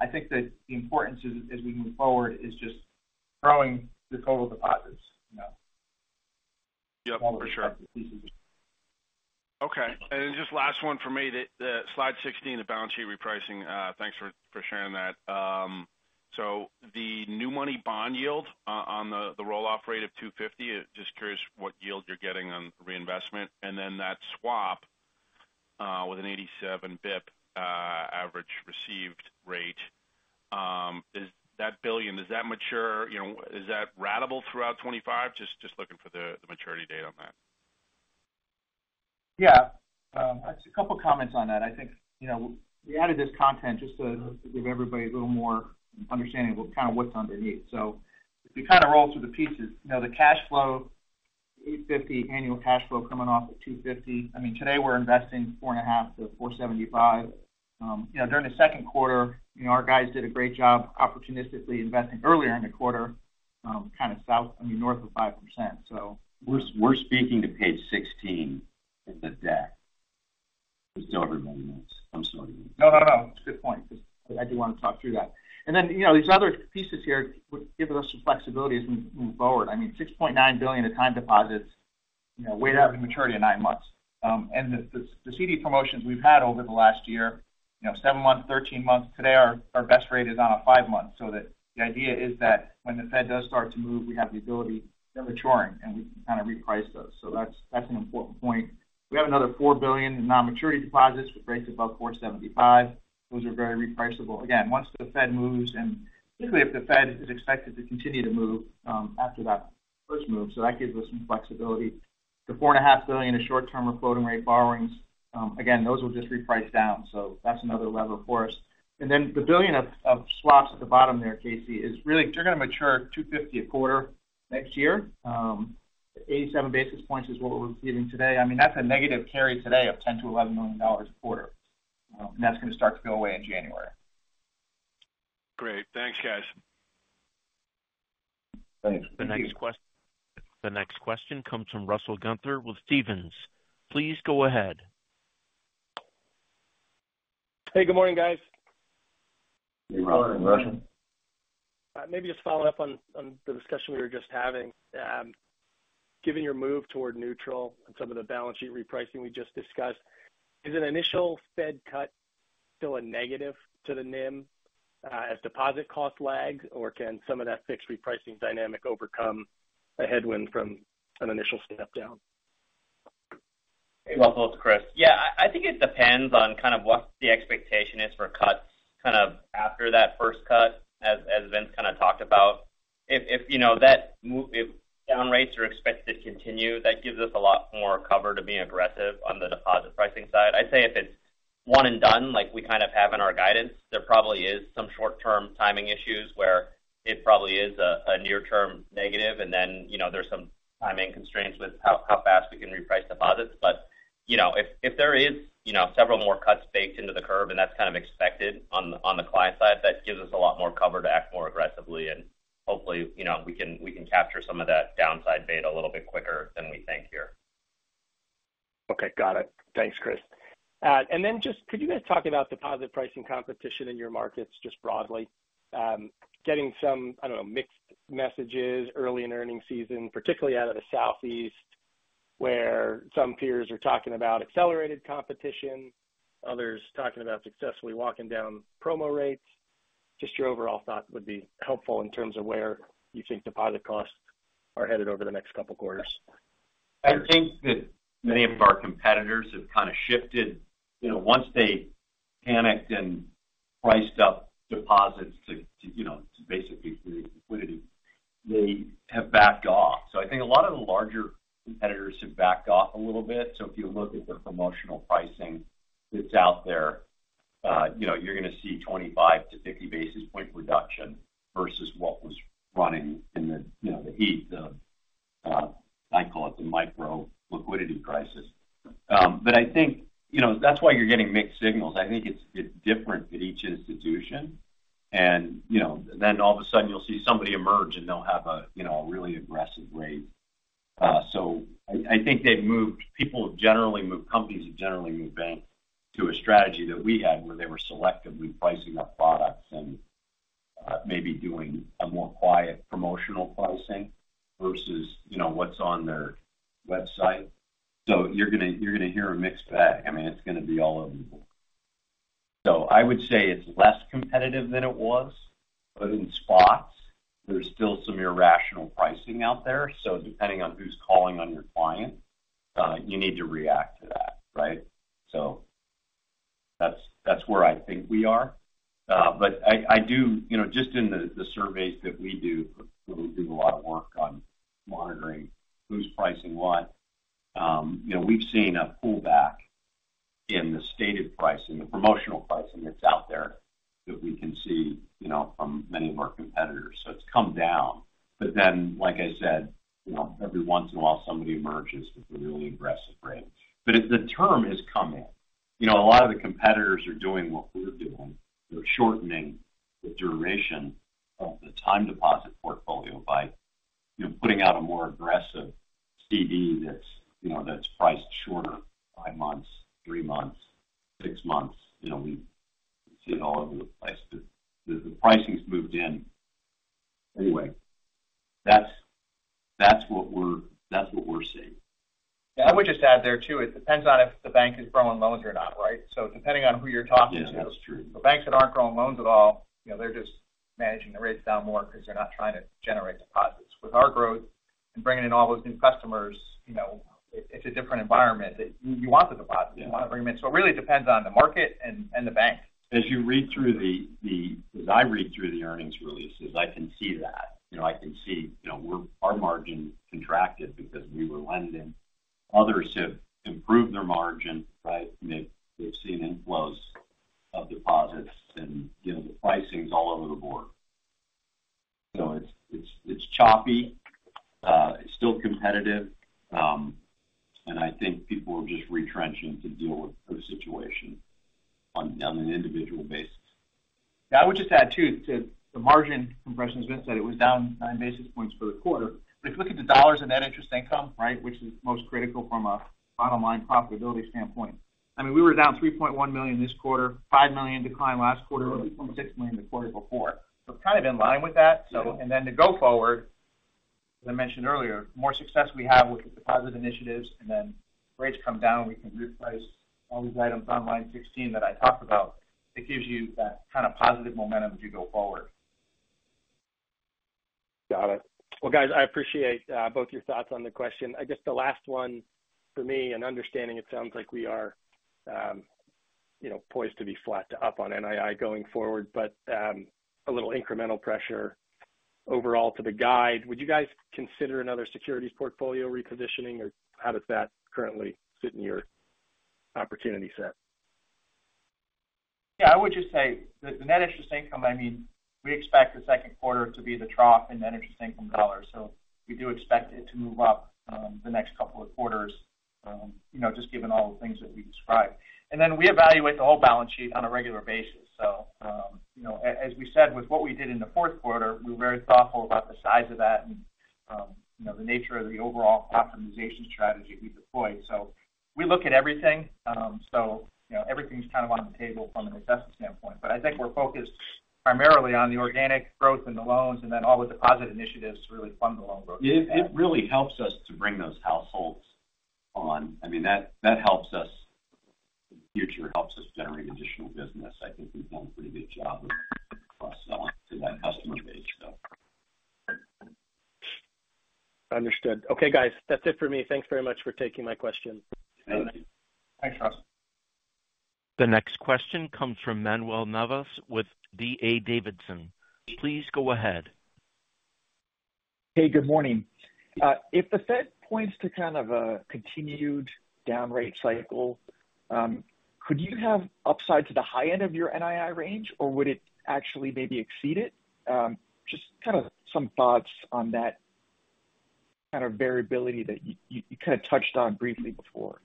S7: I think that the importance as we move forward is just growing the total deposits, you know?
S9: Yeah, for sure. Okay, and then just last one for me. The slide 16, the balance sheet repricing. Thanks for sharing that. So the new money bond yield on the roll-off rate of 250, just curious what yield you're getting on reinvestment, and then that swap with an 87 basis points average received rate. Is that billion, does that mature? You know, is that ratable throughout 2025? Just looking for the maturity date on that.
S7: Yeah. A couple of comments on that. I think, you know, we added this content just to give everybody a little more understanding of kind of what's underneath. So if we kind of roll through the pieces, you know, the cash flow, $850 annual cash flow coming off at $250. I mean, today we're investing 4.5-4.75. You know, during the second quarter, you know, our guys did a great job opportunistically investing earlier in the quarter, kind of south, I mean, north of 5% so-
S3: We're speaking to page 16 of the deck. It's over many minutes. I'm sorry.
S7: No, no, no. Good point. I do want to talk through that. And then, you know, these other pieces here would give us some flexibility as we move forward. I mean, $6.9 billion of time deposits, you know, weighted average maturity of 9 months. And the, the CD promotions we've had over the last year, you know, 7 months, 13 months. Today, our best rate is on a 5 months. So the idea is that when the Fed does start to move, we have the ability, they're maturing, and we can kind of reprice those. So that's an important point. We have another $4 billion in non-maturity deposits with rates above 4.75. Those are very repriceable. Again, once the Fed moves, and particularly if the Fed is expected to continue to move, after that first move. So that gives us some flexibility. The $4.5 billion in short-term or floating-rate borrowings, again, those will just reprice down. So that's another lever for us. And then the $1 billion of swaps at the bottom there, Casey, is really they're going to mature $250 million a quarter next year. Eighty-seven basis points is what we're receiving today. I mean, that's a negative carry today of $10 million-$11 million a quarter, and that's going to start to go away in January.
S6: Great. Thanks, guys.
S3: Thanks.
S1: The next question comes from Russell Gunther with Stephens. Please go ahead.
S10: Hey, good morning, guys.
S3: Good morning, Russell.
S10: Maybe just follow up on, on the discussion we were just having. Given your move toward neutral and some of the balance sheet repricing we just discussed, is an initial Fed cut still a negative to the NIM, as deposit cost lags, or can some of that fixed repricing dynamic overcome a headwind from an initial step down?
S11: Hey, Russell, it's Chris. Yeah, I think it depends on kind of what the expectation is for cuts, kind of after that first cut, as Vince kind of talked about. If you know that move, if down rates are expected to continue, that gives us a lot more cover to be aggressive on the deposit pricing side. I'd say if it's one and done, like we kind of have in our guidance, there probably is some short-term timing issues where it probably is a near-term negative, and then you know there's some timing constraints with how fast we can reprice deposits. But, you know, if there is, you know, several more cuts baked into the curve, and that's kind of expected on the client side, that gives us a lot more cover to act more aggressively, and hopefully, you know, we can capture some of that downside beta a little bit quicker than we think here.
S10: Okay, got it. Thanks, Chris. And then just could you guys talk about deposit pricing competition in your markets just broadly? Getting some, I don't know, mixed messages early in earnings season, particularly out of the Southeast, where some peers are talking about accelerated competition, others talking about successfully walking down promo rates. Just your overall thought would be helpful in terms of where you think deposit costs are headed over the next couple quarters.
S3: I think that many of our competitors have kind of shifted. You know, once they panicked and priced up deposits to, you know, to basically create liquidity, they have backed off. So I think a lot of the larger competitors have backed off a little bit. So if you look at the promotional pricing that's out there, you know, you're going to see 25-50 basis point reduction versus what was running in the, you know, the heat of, I call it the micro liquidity crisis. But I think, you know, that's why you're getting mixed signals. I think it's, it's different at each institution and, you know, then all of a sudden you'll see somebody emerge and they'll have a, you know, a really aggressive rate. So I think they've moved—people have generally moved, companies have generally moved back to a strategy that we had, where they were selectively pricing up products and, maybe doing a more quiet promotional pricing versus, you know, what's on their website. So you're going to hear a mixed bag. I mean, it's going to be all over the board. So I would say it's less competitive than it was, but in spots, there's still some irrational pricing out there. So depending on who's calling on your client, you need to react to that, right? So that's where I think we are. But I do... You know, just in the surveys that we do, where we do a lot of work on monitoring who's pricing what, you know, we've seen a pullback in the stated pricing, the promotional pricing that's out there, that we can see, you know, from many of our competitors. So it's come down. But then, like I said, you know, every once in a while, somebody emerges with a really aggressive rate. But the term has come in. You know, a lot of the competitors are doing what we're doing. They're shortening the duration of the time deposit portfolio by, you know, putting out a more aggressive CD that's, you know, that's priced shorter, 5 months, 3 months, 6 months. You know, we've seen it all over the place. The pricing's moved in. Anyway, that's what we're seeing.
S11: Yeah, I would just add there, too, it depends on if the bank is growing loans or not, right? So depending on who you're talking to-
S3: Yeah, that's true.
S12: The banks that aren't growing loans at all, you know, they're just managing the rates down more because they're not trying to generate deposits. With our growth and bringing in all those new customers, you know, it's a different environment that you want the deposits, you want to bring them in. So it really depends on the market and the bank.
S3: As I read through the earnings releases, I can see that. You know, I can see, you know, our margin contracted because we were lending. Others have improved their margin, right? They've seen inflows of deposits and, you know, the pricing's all over the board. So it's choppy, it's still competitive, and I think people are just retrenching to deal with the situation on an individual basis.
S12: Yeah, I would just add, too, to the margin compression. As Vince said, it was down 9 basis points for the quarter. But if you look at the dollars in that interest income, right, which is most critical from a bottom-line profitability standpoint, I mean, we were down $3.1 million this quarter, $5 million decline last quarter, from $6 million the quarter before. So kind of in line with that.
S3: Yeah.
S12: So, and then to go forward, as I mentioned earlier, more success we have with the deposit initiatives, and then rates come down, we can reprice all these items on line 16 that I talked about. It gives you that kind of positive momentum as you go forward.
S10: Got it. Well, guys, I appreciate both your thoughts on the question. I guess the last one for me and understanding, it sounds like we are, you know, poised to be flat to up on NII going forward, but a little incremental pressure overall to the guide. Would you guys consider another securities portfolio repositioning, or how does that currently fit in your opportunity set?
S7: Yeah, I would just say the net interest income. I mean, we expect the second quarter to be the trough in the net interest income dollar, so we do expect it to move up the next couple of quarters.you know, just given all the things that we described. And then we evaluate the whole balance sheet on a regular basis. So, you know, as we said, with what we did in the fourth quarter, we're very thoughtful about the size of that and, you know, the nature of the overall optimization strategy we deployed. So we look at everything. So, you know, everything's kind of on the table from an investment standpoint, but I think we're focused primarily on the organic growth in the loans and then all the deposit initiatives to really fund the loan growth.
S3: It really helps us to bring those households on. I mean, that helps us, in the future, helps us generate additional business. I think we've done a pretty good job of cross-selling to that customer base, so.
S10: Understood. Okay, guys, that's it for me. Thanks very much for taking my question.
S3: Thank you.
S7: Thanks, Rob.
S1: The next question comes from Manuel Navas with D.A. Davidson. Please go ahead.
S13: Hey, good morning. If the Fed points to kind of a continued down rate cycle, could you have upside to the high end of your NII range, or would it actually maybe exceed it? Just kind of some thoughts on that kind of variability that you kind of touched on briefly before.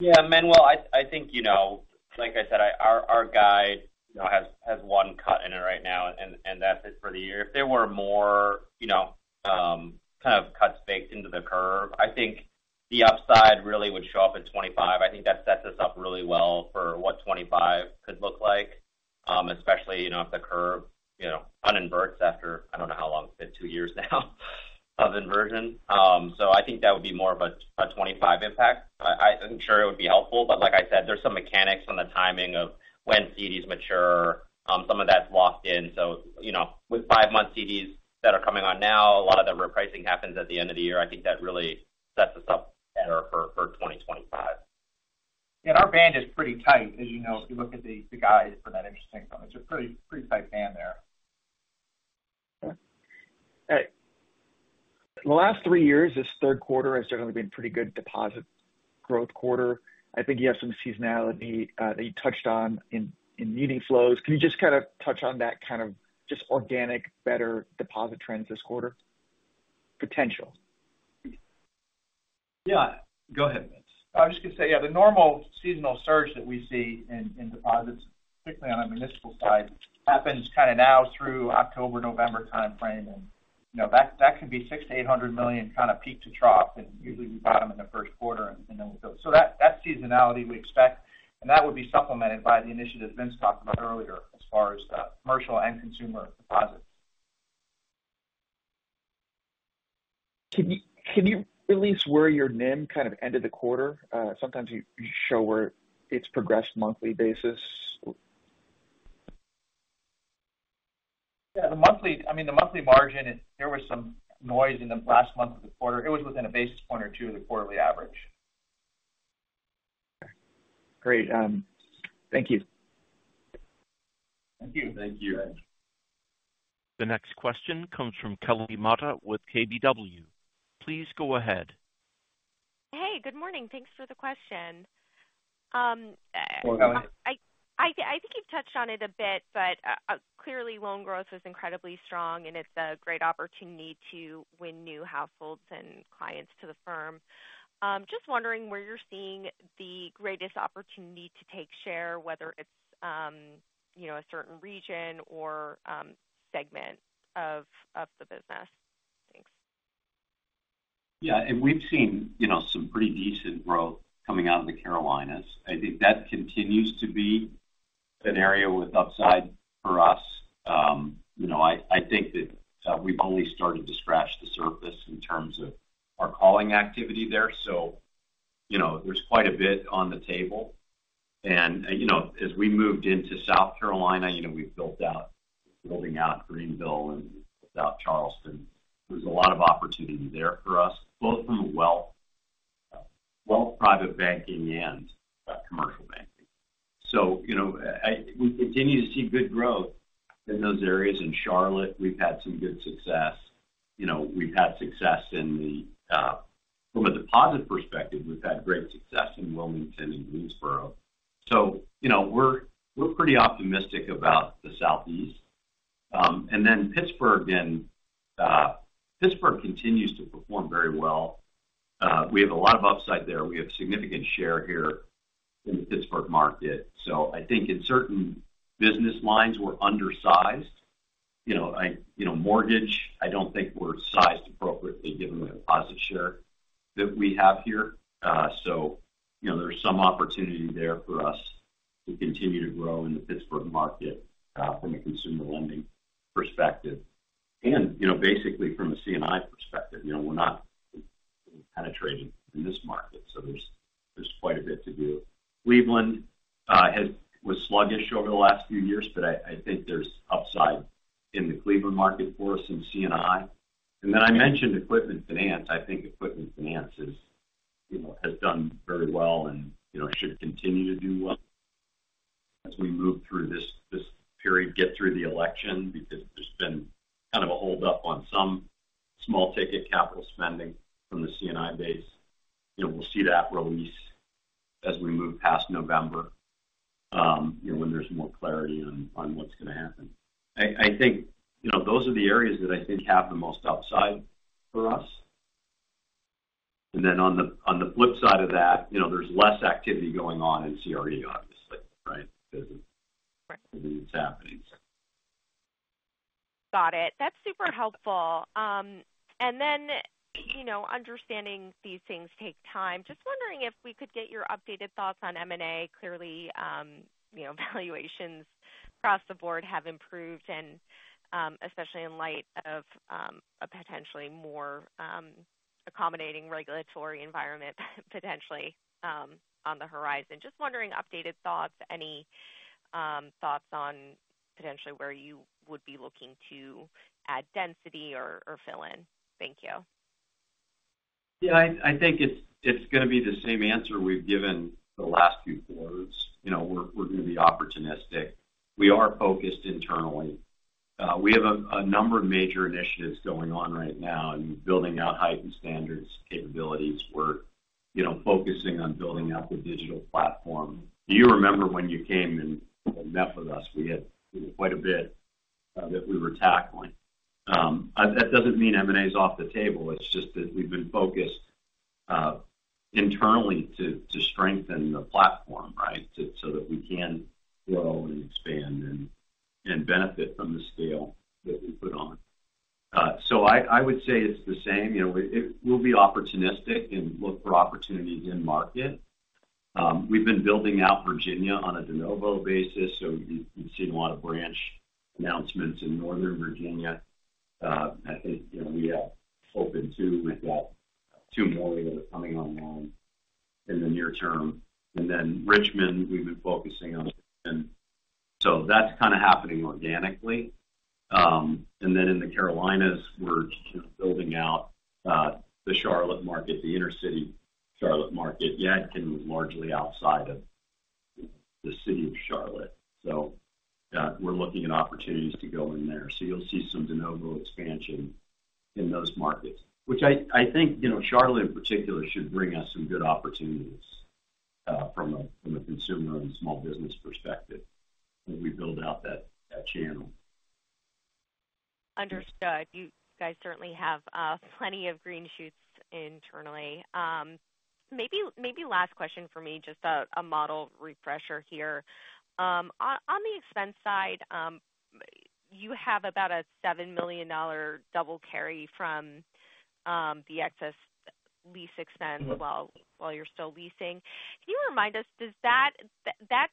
S7: Yeah, Manuel, I think, you know, like I said, our guide, you know, has 1 cut in it right now, and that's it for the year. If there were more, you know, kind of cuts baked into the curve, I think the upside really would show up at 25. I think that sets us up really well for what 25 could look like, especially, you know, if the curve, you know, uninverts after, I don't know how long, it's been 2 years now of inversion. So I think that would be more of a 25 impact. I'm sure it would be helpful, but like I said, there's some mechanics on the timing of when CDs mature. Some of that's locked in. You know, with 5-month CDs that are coming on now, a lot of the repricing happens at the end of the year. I think that really sets us up better for 2025. Our band is pretty tight, as you know, if you look at the guides for that interest income. It's a pretty, pretty tight band there.
S13: Okay. The last three years, this third quarter has certainly been a pretty good deposit growth quarter. I think you have some seasonality that you touched on in net inflows. Can you just kind of touch on that kind of just organic, better deposit trends this quarter? Potential.
S3: Yeah, go ahead, Vince.
S5: I was just going to say, yeah, the normal seasonal surge that we see in deposits, particularly on the municipal side, happens kind of now through October, November time frame, and, you know, that can be $600 million-$800 million kind of peak to trough, and usually we bottom in the first quarter and then we go. So that seasonality we expect, and that would be supplemented by the initiatives Vince talked about earlier as far as commercial and consumer deposits.
S13: Can you release where your NIM kind of ended the quarter? Sometimes you show where it's progressed monthly basis.
S5: Yeah, I mean, the monthly margin, there was some noise in the last month of the quarter. It was within a basis point or two of the quarterly average.
S13: Great. Thank you.
S5: Thank you.
S3: Thank you.
S1: The next question comes from Kelly Motta with KBW. Please go ahead.
S14: Hey, good morning. Thanks for the question.
S3: Good morning.
S14: I think you've touched on it a bit, but clearly, loan growth was incredibly strong, and it's a great opportunity to win new households and clients to the firm. Just wondering where you're seeing the greatest opportunity to take share, whether it's you know, a certain region or segment of the business. Thanks.
S3: Yeah, and we've seen, you know, some pretty decent growth coming out of the Carolinas. I think that continues to be an area with upside for us. You know, I think that we've only started to scratch the surface in terms of our calling activity there, so, you know, there's quite a bit on the table. And, you know, as we moved into South Carolina, you know, we've built out, building out Greenville and South Charleston. There's a lot of opportunity there for us, both from a Wealth, Private Banking and commercial banking. So, you know, we continue to see good growth in those areas. In Charlotte, we've had some good success. You know, we've had success from a deposit perspective, we've had great success in Wilmington and Greensboro. So, you know, we're pretty optimistic about the Southeast. And then Pittsburgh and Pittsburgh continues to perform very well. We have a lot of upside there. We have significant share here in the Pittsburgh market. So I think in certain business lines, we're undersized. You know, I, you know, mortgage, I don't think we're sized appropriately given the deposit share that we have here. So, you know, there's some opportunity there for us to continue to grow in the Pittsburgh market, from a consumer lending perspective. And, you know, basically from a C&I perspective, you know, we're not penetrating in this market, so there's, there's quite a bit to do. Cleveland was sluggish over the last few years, but I, I think there's upside in the Cleveland market for us in C&I. And then I mentioned equipment finance. I think equipment finance is, you know, has done very well and, you know, should continue to do well as we move through this period, get through the election, because there's been kind of a hold up on some small ticket capital spending from the C&I base. You know, we'll see that release as we move past November... you know, when there's more clarity on what's going to happen. I think, you know, those are the areas that I think have the most upside for us. And then on the flip side of that, you know, there's less activity going on in CRE, obviously, right? Because it-
S14: Right.
S3: It's happening.
S14: Got it. That's super helpful. And then, you know, understanding these things take time. Just wondering if we could get your updated thoughts on M&A. Clearly, you know, valuations across the board have improved and, especially in light of, a potentially more, accommodating regulatory environment, potentially, on the horizon. Just wondering, updated thoughts, any, thoughts on potentially where you would be looking to add density or, or fill in? Thank you.
S3: Yeah, I think it's gonna be the same answer we've given the last few quarters. You know, we're gonna be opportunistic. We are focused internally. We have a number of major initiatives going on right now in building out Heightened Standards capabilities. We're, you know, focusing on building out the digital platform. Do you remember when you came and met with us? We had quite a bit that we were tackling. That doesn't mean M&A is off the table. It's just that we've been focused internally to strengthen the platform, right? To so that we can grow and expand and benefit from the scale that we put on. So I would say it's the same. You know, we'll be opportunistic and look for opportunities in market. We've been building out Virginia on a de novo basis, so you've seen a lot of branch announcements in Northern Virginia. I think, you know, we have opened 2. We've got 2 more that are coming online in the near term. And then Richmond, we've been focusing on. So that's kind of happening organically. And then in the Carolinas, we're building out the Charlotte market, the inner city Charlotte market, yet largely outside of the city of Charlotte. So we're looking at opportunities to go in there. So you'll see some de novo expansion in those markets, which I think, you know, Charlotte, in particular, should bring us some good opportunities from a consumer and small business perspective, as we build out that channel.
S14: Understood. You guys certainly have plenty of green shoots internally. Maybe last question for me, just a model refresher here. On the expense side, you have about a $7 million double carry from the excess lease expense. While you're still leasing. Can you remind us, does that—that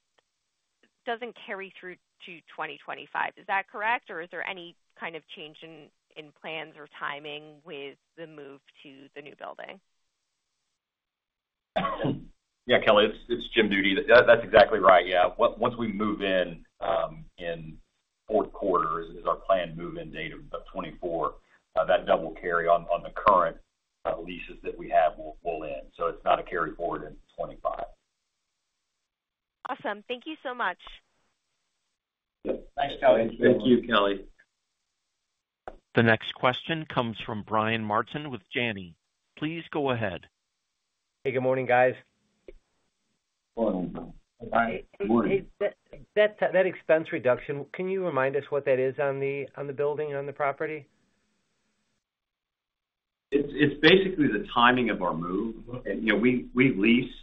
S14: doesn't carry through to 2025. Is that correct, or is there any kind of change in plans or timing with the move to the new building?
S7: Yeah, Kelly, it's Jim Dutey. That's exactly right. Yeah. Once we move in, in fourth quarter is our planned move-in date of 2024, that double carry on the current leases that we have will end. So it's not a carry forward in 2025.
S14: Awesome. Thank you so much.
S3: Thanks, Kelly.
S7: Thank you, Kelly.
S1: The next question comes from Brian Martin with Janney. Please go ahead.
S15: Hey, good morning, guys.
S3: Good morning.
S15: Hey, that expense reduction, can you remind us what that is on the building, on the property?
S3: It's basically the timing of our move. You know, we lease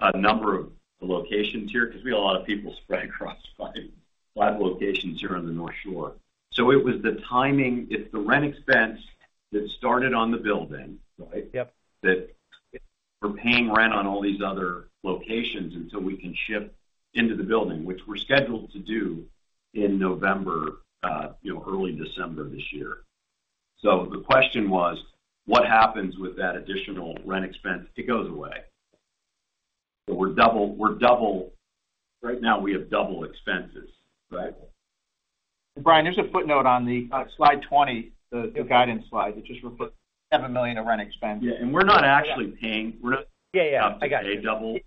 S3: a number of locations here because we have a lot of people spread across five locations here on the North Shore. So it was the timing. It's the rent expense that started on the building, right?
S15: Yep.
S3: That we're paying rent on all these other locations until we can shift into the building, which we're scheduled to do in November, you know, early December this year. So the question was: What happens with that additional rent expense? It goes away. So we're double, we're double-- Right now, we have double expenses, right?
S7: Brian, there's a footnote on the slide 20, the guidance slide, which is for $7 million of rent expense.
S3: Yeah, and we're not actually paying-
S15: Yeah, yeah.
S3: We're not paying double.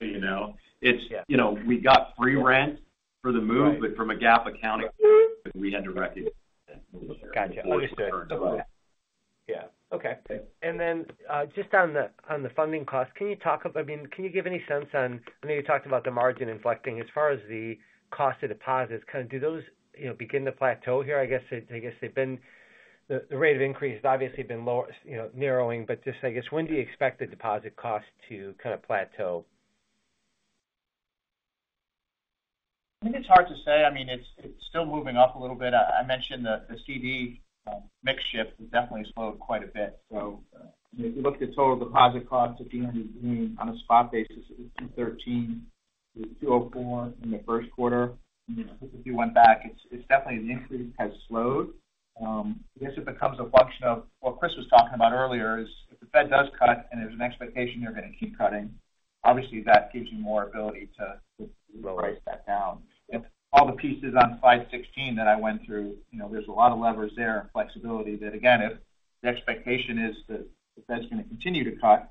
S3: You know?
S15: Yeah.
S3: It's... You know, we got free rent for the move-
S15: Right.
S3: But from a GAAP accounting, we had to recognize it.
S15: Gotcha. Understood.
S3: Yeah.
S15: Okay. And then, just on the funding costs, can you talk about—I mean, can you give any sense on? I know you talked about the margin inflecting. As far as the cost of deposits, kind of do those, you know, begin to plateau here? I guess, I guess they've been—the rate of increase has obviously been lower, you know, narrowing, but just I guess, when do you expect the deposit cost to kind of plateau?
S7: I think it's hard to say. I mean, it's still moving up a little bit. I mentioned the CD mix shift has definitely slowed quite a bit. So, if you look at the total deposit costs at the end of June on a spot basis, it was 2.13%. It was 2.04% in the first quarter. If you went back, it's definitely the increase has slowed. I guess it becomes a function of what Chris was talking about earlier, is if the Fed does cut and there's an expectation they're going to keep cutting, obviously that gives you more ability to lower that down. If all the pieces on slide 16 that I went through, you know, there's a lot of levers there and flexibility that, again, if the expectation is that the Fed's going to continue to cut,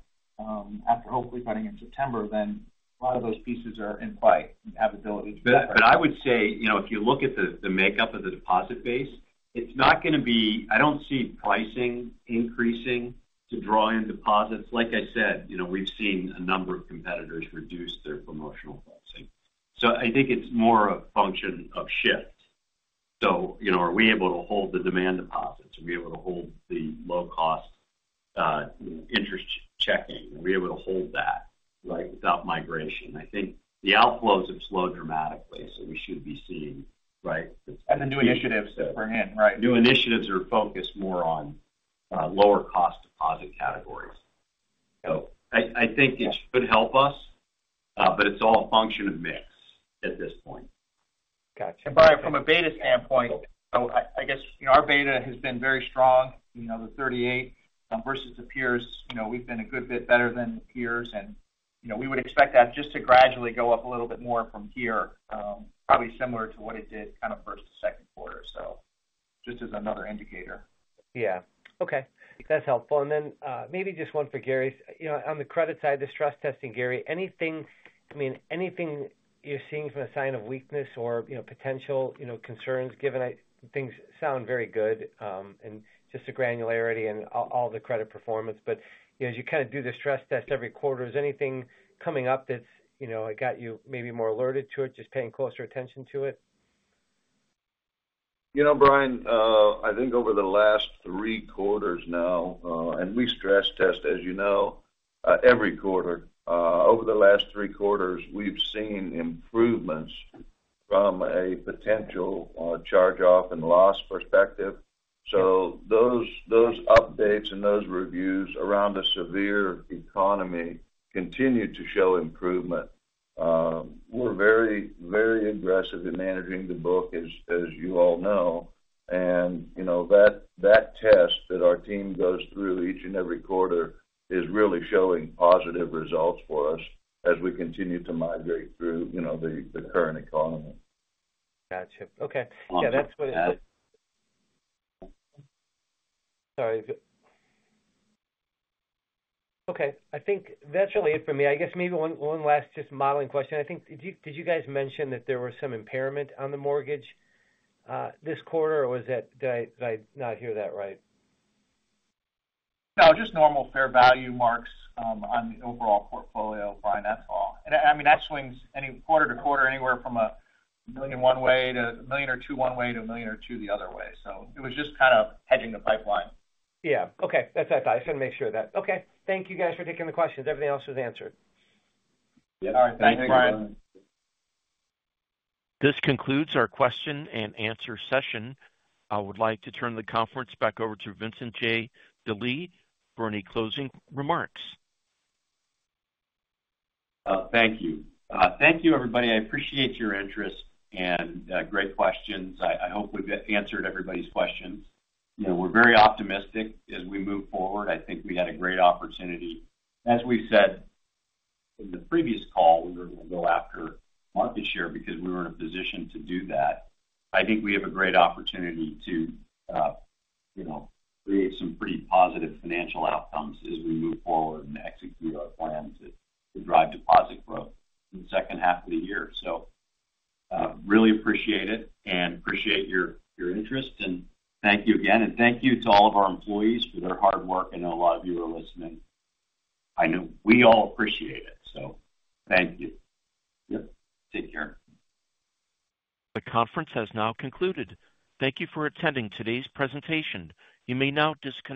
S7: after hopefully cutting in September, then a lot of those pieces are in play. We have ability to-
S3: But I would say, you know, if you look at the makeup of the deposit base, it's not going to be, I don't see pricing increasing to draw in deposits. Like I said, you know, we've seen a number of competitors reduce their promotional pricing. So I think it's more a function of shift. So, you know, are we able to hold the demand deposits? Are we able to hold the low-cost interest checking? Are we able to hold that, right, without migration? I think the outflows have slowed dramatically, so we should be seeing, right?
S15: The new initiatives for him, right?
S3: New initiatives are focused more on lower cost deposit categories. So I think it should help us, but it's all a function of mix at this point.
S15: Got you.
S7: And Brian, from a beta standpoint, so I, I guess, you know, our beta has been very strong. You know, the 38, versus the peers, you know, we've been a good bit better than peers, and, you know, we would expect that just to gradually go up a little bit more from here, probably similar to what it did kind of first to second quarter. So just as another indicator.
S15: Yeah. Okay, that's helpful. And then, maybe just one for Gary. You know, on the credit side, the stress testing, Gary, anything, I mean, anything you're seeing from a sign of weakness or, you know, potential, you know, concerns, given things sound very good, and just the granularity and all, all the credit performance. But, you know, as you kind of do the stress test every quarter, is anything coming up that's, you know, it got you maybe more alerted to it, just paying closer attention to it?
S4: You know, Brian, I think over the last three quarters now, and we stress test, as you know, every quarter. Over the last three quarters, we've seen improvements from a potential charge-off and loss perspective. So those updates and those reviews around the severe economy continue to show improvement. We're very, very aggressive in managing the book, as you all know, and, you know, that test that our team goes through each and every quarter is really showing positive results for us as we continue to migrate through, you know, the current economy.
S15: Got you. Okay. Yeah, that's what it... Sorry. Okay, I think that's really it for me. I guess maybe one, one last just modeling question. I think, did you, did you guys mention that there was some impairment on the mortgage this quarter, or was that—did I, did I not hear that right?
S7: No, just normal fair value marks, on the overall portfolio, Brian, that's all. I mean, that swings any quarter to quarter, anywhere from $1 million in one way to $1 million or $2 million one way to $1 million or $2 million the other way. So it was just kind of hedging the pipeline.
S15: Yeah. Okay. That's what I thought. I just wanted to make sure of that. Okay. Thank you guys for taking the questions. Everything else was answered.
S7: Yep.
S3: All right. Thanks, Brian.
S1: This concludes our question and answer session. I would like to turn the conference back over to Vincent J. Delie for any closing remarks.
S3: Thank you. Thank you, everybody. I appreciate your interest and great questions. I hope we've answered everybody's questions. You know, we're very optimistic as we move forward. I think we had a great opportunity. As we said in the previous call, we were going to go after market share because we were in a position to do that. I think we have a great opportunity to, you know, create some pretty positive financial outcomes as we move forward and execute our plan to drive deposit growth in the second half of the year. So, really appreciate it and appreciate your interest, and thank you again. And thank you to all of our employees for their hard work. I know a lot of you are listening. I know we all appreciate it, so thank you. Yep, take care.
S1: The conference has now concluded. Thank you for attending today's presentation. You may now disconnect.